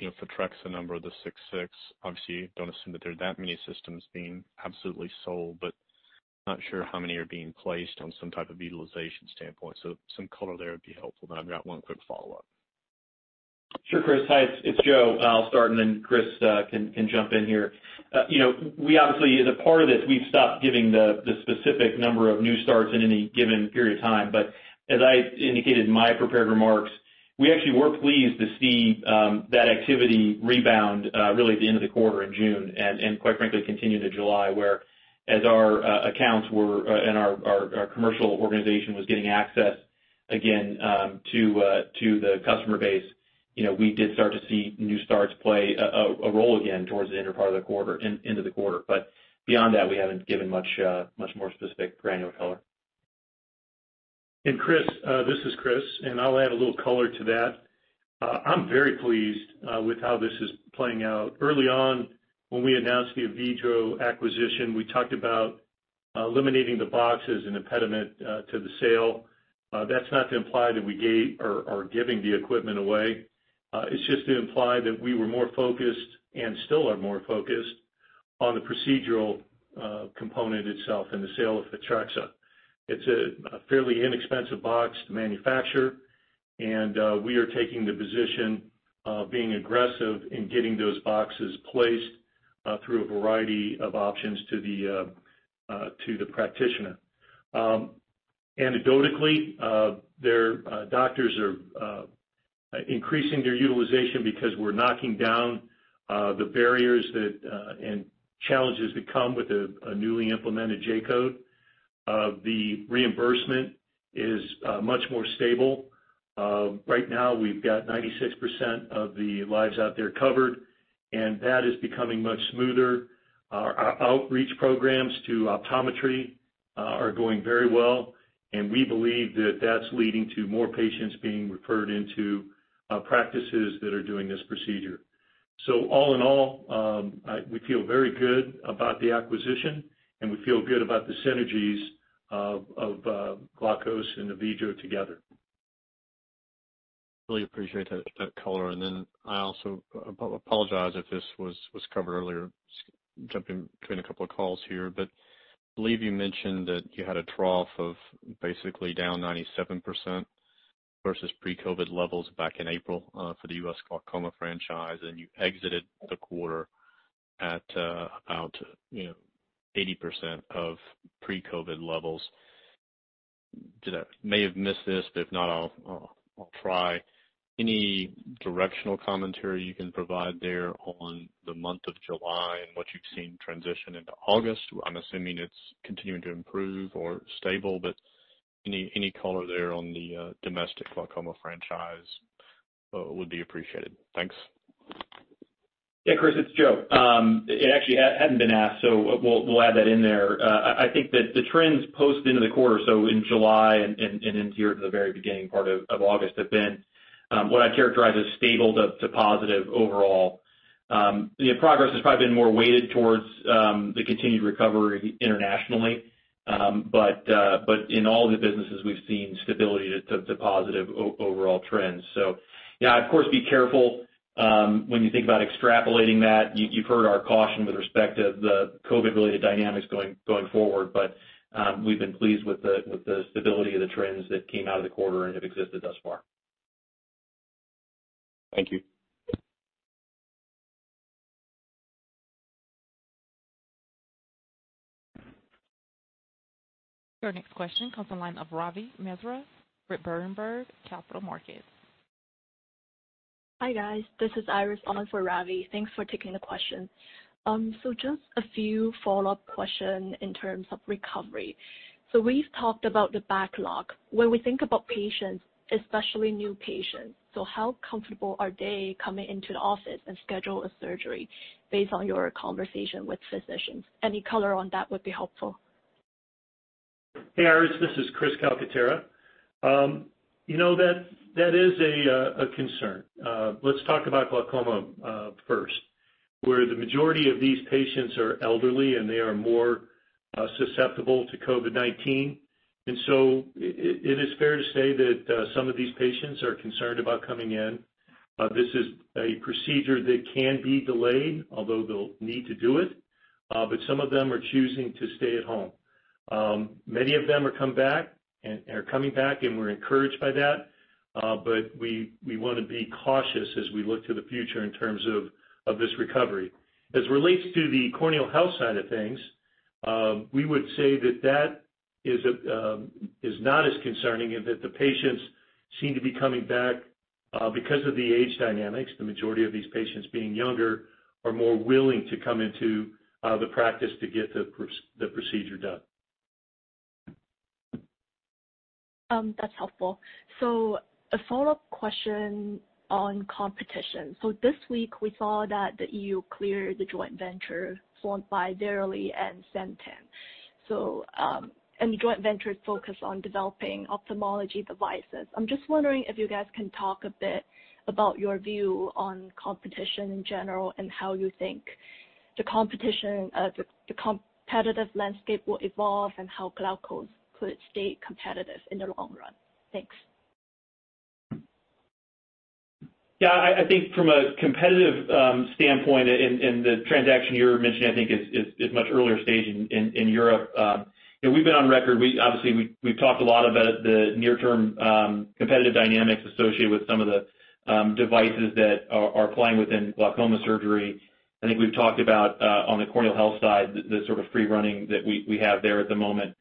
Speaker 11: Photrexa number, the 6.6, obviously don't assume that there are that many systems being absolutely sold, but not sure how many are being placed on some type of utilization standpoint. Some color there would be helpful. I've got one quick follow-up.
Speaker 4: Sure, Chris. Hi, it's Joe. I'll start and then Chris can jump in here. We obviously, as a part of this, we've stopped giving the specific number of new starts in any given period of time. As I indicated in my prepared remarks, we actually were pleased to see that activity rebound really at the end of the quarter in June, and quite frankly, continue to July, where as our accounts were and our commercial organization was getting access again to the customer base, we did start to see new starts play a role again towards the end of the quarter. Beyond that, we haven't given much more specific granular color.
Speaker 6: Chris, this is Chris, and I'll add a little color to that. I'm very pleased with how this is playing out. Early on, when we announced the Avedro acquisition, we talked about eliminating the box as an impediment to the sale. That's not to imply that we gave or are giving the equipment away. It's just to imply that we were more focused and still are more focused on the procedural component itself and the sale of Photrexa. It's a fairly inexpensive box to manufacture, and we are taking the position of being aggressive in getting those boxes placed through a variety of options to the practitioner. Anecdotally, their doctors are increasing their utilization because we're knocking down the barriers and challenges that come with a newly implemented J code. The reimbursement is much more stable. Right now we've got 96% of the lives out there covered, and that is becoming much smoother. Our outreach programs to optometry are going very well, and we believe that that's leading to more patients being referred into practices that are doing this procedure. All in all, we feel very good about the acquisition, and we feel good about the synergies of Glaukos and the Avedro together.
Speaker 11: Really appreciate that color. I also apologize if this was covered earlier, jumping between a couple of calls here, but believe you mentioned that you had a trough of basically down 97% versus pre-COVID levels back in April for the U.S. glaucoma franchise, and you exited the quarter at about 80% of pre-COVID levels. May have missed this, but if not, I'll try. Any directional commentary you can provide there on the month of July and what you've seen transition into August? I'm assuming it's continuing to improve or stable, but any color there on the domestic glaucoma franchise would be appreciated. Thanks.
Speaker 4: Yeah, Chris, it's Joe. It actually hadn't been asked, so we'll add that in there. I think that the trends post into the quarter, so in July and into the very beginning part of August, have been what I'd characterize as stable to positive overall. The progress has probably been more weighted towards the continued recovery internationally. In all the businesses, we've seen stability to positive overall trends. Yeah, of course, be careful when you think about extrapolating that. You've heard our caution with respect to the COVID-related dynamics going forward. We've been pleased with the stability of the trends that came out of the quarter and have existed thus far.
Speaker 11: Thank you.
Speaker 1: Your next question comes the line of Ravi Misra with Berenberg Capital Markets.
Speaker 12: Hi, guys. This is Iris on for Ravi. Thanks for taking the question. Just a few follow-up question in terms of recovery. We've talked about the backlog. When we think about patients, especially new patients, how comfortable are they coming into the office and schedule a surgery based on your conversation with physicians? Any color on that would be helpful.
Speaker 6: Hey, Iris, this is Chris Calcaterra. That is a concern. Let's talk about glaucoma first, where the majority of these patients are elderly, and they are more susceptible to COVID-19. It is fair to say that some of these patients are concerned about coming in. This is a procedure that can be delayed, although they'll need to do it. Some of them are choosing to stay at home. Many of them are coming back, and we're encouraged by that. We want to be cautious as we look to the future in terms of this recovery. As it relates to the corneal health side of things, we would say that that is not as concerning in that the patients seem to be coming back because of the age dynamics. The majority of these patients being younger are more willing to come into the practice to get the procedure done.
Speaker 12: That's helpful. A follow-up question on competition. This week we saw that the EU cleared the joint venture formed by Verily and Santen. The joint venture is focused on developing ophthalmology devices. I'm just wondering if you guys can talk a bit about your view on competition in general, and how you think the competitive landscape will evolve, and how Glaukos could stay competitive in the long run. Thanks.
Speaker 4: Yeah, I think from a competitive standpoint, the transaction you're mentioning, I think is much earlier stage in Europe. We've been on record. Obviously, we've talked a lot about the near-term competitive dynamics associated with some of the devices that are playing within glaucoma surgery. I think we've talked about on the corneal health side, the sort of free running that we have there at the moment.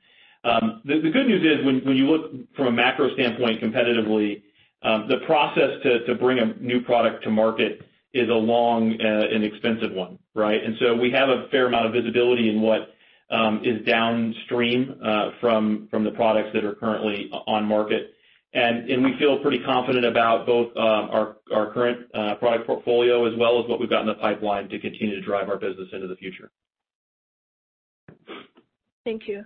Speaker 4: The good news is when you look from a macro standpoint competitively, the process to bring a new product to market is a long and expensive one, right? We have a fair amount of visibility in what is downstream from the products that are currently on market. We feel pretty confident about both our current product portfolio as well as what we've got in the pipeline to continue to drive our business into the future.
Speaker 12: Thank you.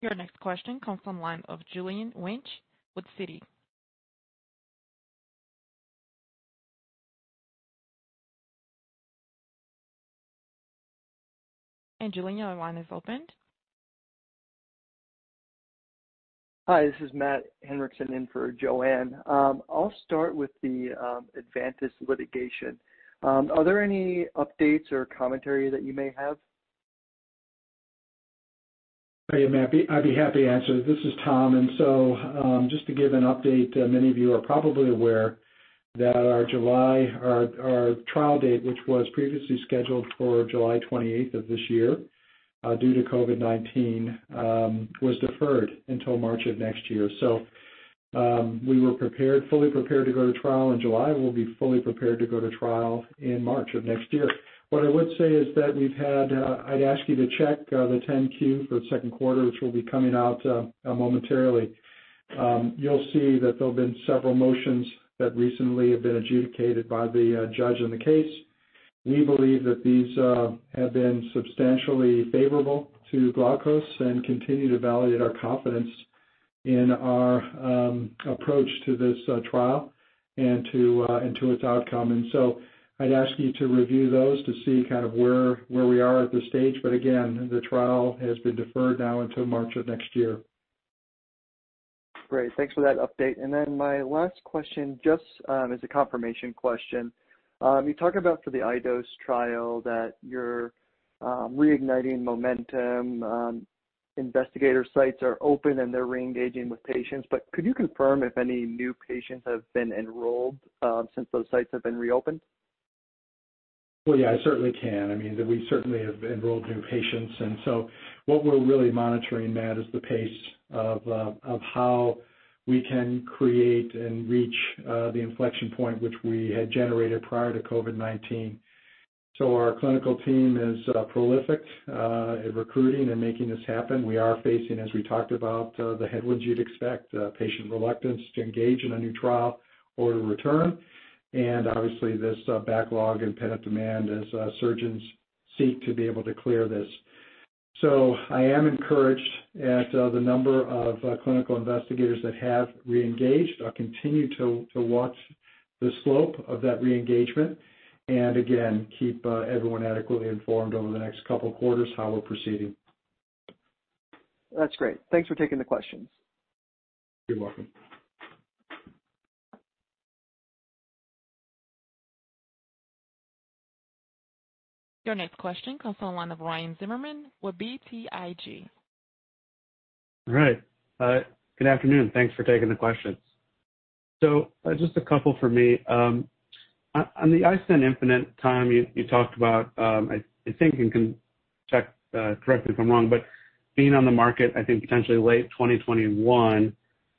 Speaker 1: Your next question comes from line of Joanne Wuensch with Citi. Joanne, your line is opened.
Speaker 13: Hi, this is Matt Henriksson in for Joanne. I'll start with the Ivantis litigation. Are there any updates or commentary that you may have?
Speaker 3: Hey, Matt. I'd be happy to answer. This is Tom. Just to give an update, many of you are probably aware that our trial date, which was previously scheduled for July 28th of this year, due to COVID-19, was deferred until March of next year. We were fully prepared to go to trial in July. We'll be fully prepared to go to trial in March of next year. What I would say is that I'd ask you to check the 10-Q for the second quarter, which will be coming out momentarily. You'll see that there've been several motions that recently have been adjudicated by the judge in the case. We believe that these have been substantially favorable to Glaukos and continue to validate our confidence In our approach to this trial and to its outcome. I'd ask you to review those to see where we are at this stage. Again, the trial has been deferred now until March of next year.
Speaker 13: Great. Thanks for that update. My last question, just as a confirmation question. You talk about for the iDose trial that you're reigniting momentum, investigator sites are open, and they're re-engaging with patients. Could you confirm if any new patients have been enrolled since those sites have been reopened?
Speaker 3: Well, yeah, I certainly can. We certainly have enrolled new patients. What we're really monitoring, Matt, is the pace of how we can create and reach the inflection point which we had generated prior to COVID-19. Our clinical team is prolific at recruiting and making this happen. We are facing, as we talked about, the headwinds you'd expect, patient reluctance to engage in a new trial or to return. Obviously, this backlog and pent-up demand as surgeons seek to be able to clear this. I am encouraged at the number of clinical investigators that have reengaged. I'll continue to watch the slope of that reengagement, and again, keep everyone adequately informed over the next couple of quarters how we're proceeding.
Speaker 13: That's great. Thanks for taking the questions.
Speaker 3: You're welcome.
Speaker 1: Your next question comes from the line of Ryan Zimmerman with BTIG.
Speaker 14: All right. Good afternoon. Thanks for taking the questions. Just a couple from me. On the iStent infinite time, you talked about, I think you can check, correct me if I'm wrong, but being on the market, I think, potentially late 2021.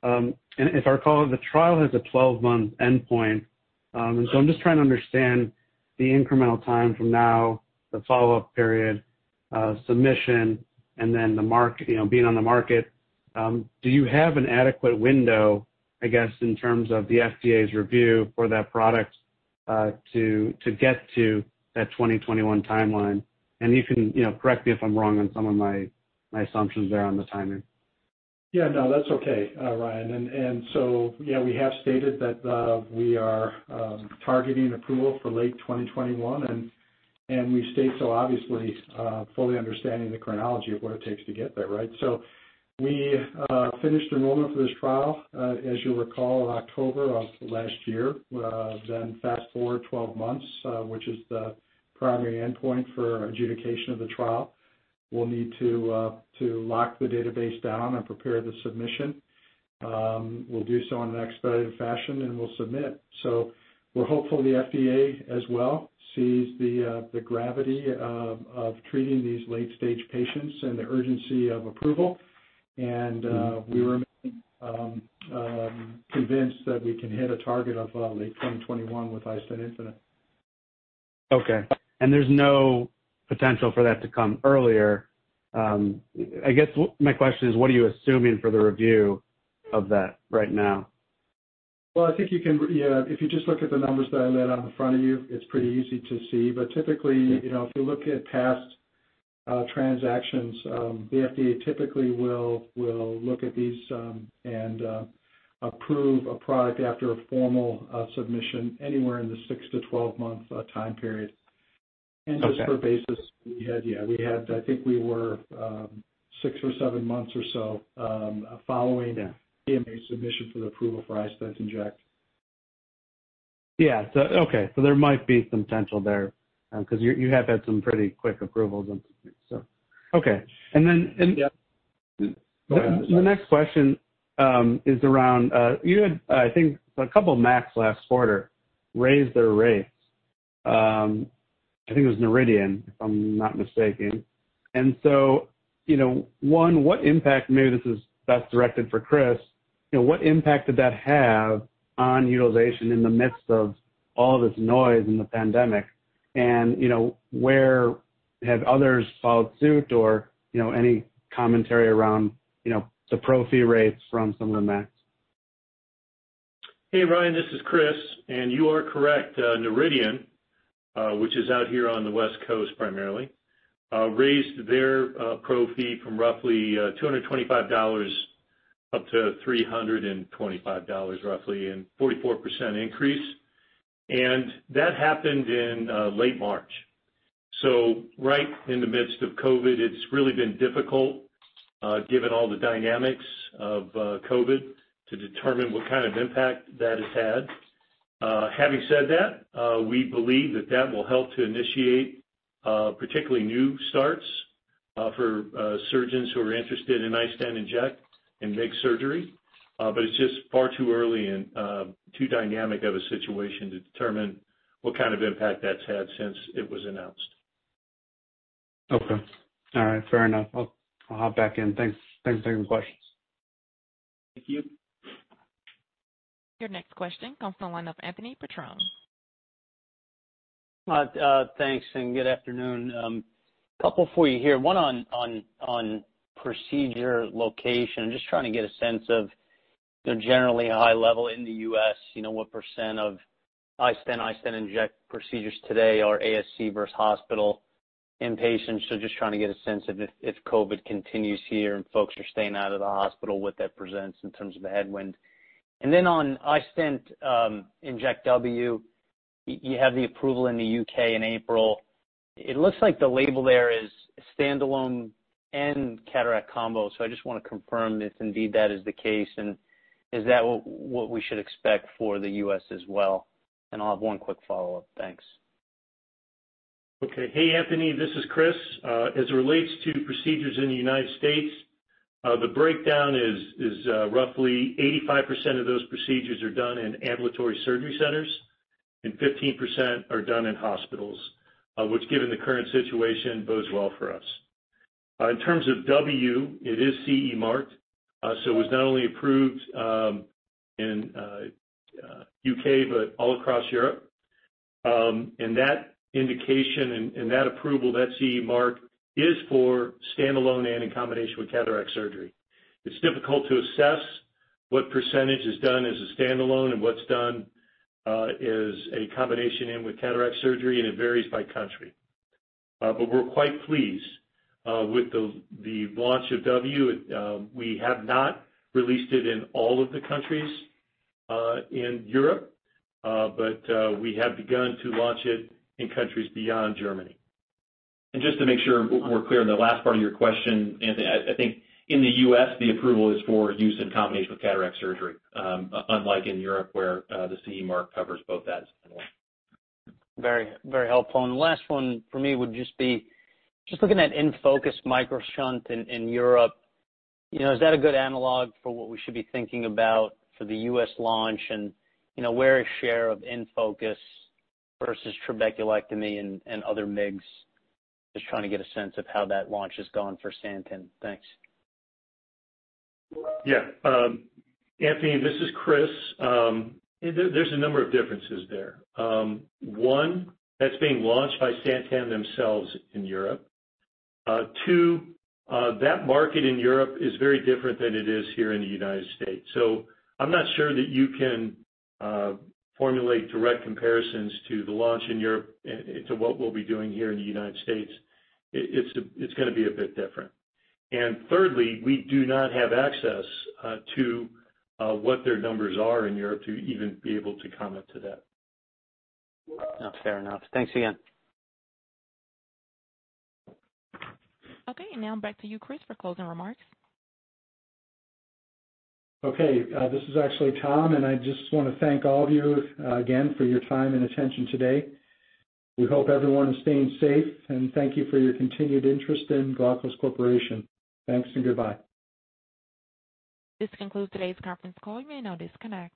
Speaker 14: If I recall, the trial has a 12-month endpoint. I'm just trying to understand the incremental time from now, the follow-up period, submission, and then being on the market. Do you have an adequate window, I guess, in terms of the FDA's review for that product to get to that 2021 timeline? You can correct me if I'm wrong on some of my assumptions there on the timing.
Speaker 3: Yeah. No, that's okay, Ryan. Yeah, we have stated that we are targeting approval for late 2021, and we state so, obviously, fully understanding the chronology of what it takes to get there, right? We finished enrollment for this trial, as you'll recall, in October of last year. Fast-forward 12 months, which is the primary endpoint for adjudication of the trial. We'll need to lock the database down and prepare the submission. We'll do so in an expedited fashion, and we'll submit. We're hopeful the FDA as well sees the gravity of treating these late-stage patients and the urgency of approval. We remain convinced that we can hit a target of late 2021 with iStent infinite.
Speaker 14: Okay. There's no potential for that to come earlier? I guess what my question is, what are you assuming for the review of that right now?
Speaker 3: Well, I think if you just look at the numbers that I laid out in front of you, it's pretty easy to see. Typically, if you look at past transactions, the FDA typically will look at these and approve a product after a formal submission anywhere in the 6-12 month time period.
Speaker 14: Okay.
Speaker 3: Just for basis, I think we were six or seven months or so following.
Speaker 14: Yeah.
Speaker 3: The PMA submission for the approval for iStent inject.
Speaker 14: Yeah. Okay. There might be some potential there because you have had some pretty quick approvals so, okay.
Speaker 3: Yeah. Go ahead, sorry
Speaker 14: The next question is around, you had, I think, a couple of MACs last quarter raise their rates. I think it was Noridian, if I'm not mistaken. One, what impact, maybe this is best directed for Chris, what impact did that have on utilization in the midst of all this noise and the pandemic? Where have others followed suit or, any commentary around, the pro fee rates from some of the MACs?
Speaker 6: Hey, Ryan, this is Chris. You are correct. Noridian, which is out here on the West Coast primarily, raised their pro fee from roughly $225 up to $325, roughly, and 44% increase. That happened in late March. Right in the midst of COVID. It's really been difficult given all the dynamics of COVID to determine what kind of impact that has had. Having said that, we believe that that will help to initiate particularly new starts for surgeons who are interested in iStent inject and MIGS surgery. It's just far too early and too dynamic of a situation to determine what kind of impact that's had since it was announced.
Speaker 14: Okay. All right. Fair enough. I'll hop back in. Thanks for taking the questions.
Speaker 3: Thank you.
Speaker 1: Your next question comes from the line of Anthony Petrone.
Speaker 15: Thanks and good afternoon. Couple for you here. One on procedure location. Just trying to get a sense of generally high level in the U.S., what percent of iStent inject procedures today are ASC versus hospital inpatients? Just trying to get a sense of if COVID continues here and folks are staying out of the hospital, what that presents in terms of a headwind. On iStent inject W, you have the approval in the U.K. in April. It looks like the label there is standalone and cataract combo. I just want to confirm if indeed that is the case, and is that what we should expect for the U.S. as well, and I'll have one quick follow-up. Thanks.
Speaker 6: Okay. Hey, Anthony, this is Chris. As it relates to procedures in the United States, the breakdown is roughly 85% of those procedures are done in ambulatory surgery centers, and 15% are done in hospitals. Which given the current situation bodes well for us. In terms of W, it is CE marked, it was not only approved in the U.K., but all across Europe. That indication and that approval, that CE mark, is for standalone and in combination with cataract surgery. It's difficult to assess what percentage is done as a standalone and what's done as a combination in with cataract surgery, and it varies by country. We're quite pleased with the launch of W. We have not released it in all of the countries in Europe. We have begun to launch it in countries beyond Germany.
Speaker 4: Just to make sure we're clear on the last part of your question, Anthony, I think in the U.S., the approval is for use in combination with cataract surgery, unlike in Europe, where the CE mark covers both that as standalone.
Speaker 15: Very helpful. The last one for me would just be, just looking at InnFocus MicroShunt in Europe, is that a good analog for what we should be thinking about for the U.S. launch? Where is share of InnFocus versus trabeculectomy and other MIGS? Just trying to get a sense of how that launch has gone for Santen. Thanks.
Speaker 6: Yeah. Anthony, this is Chris. There's a number of differences there. One, that's being launched by Santen themselves in Europe. Two, that market in Europe is very different than it is here in the United States. I'm not sure that you can formulate direct comparisons to the launch in Europe to what we'll be doing here in the United States. It's going to be a bit different. Thirdly, we do not have access to what their numbers are in Europe to even be able to comment to that.
Speaker 15: No, fair enough. Thanks again.
Speaker 1: Okay, now I'm back to you, Chris, for closing remarks.
Speaker 3: Okay. This is actually Tom, and I just want to thank all of you again for your time and attention today. We hope everyone is staying safe, and thank you for your continued interest in Glaukos Corporation. Thanks and goodbye.
Speaker 1: This concludes today's conference call. You may now disconnect.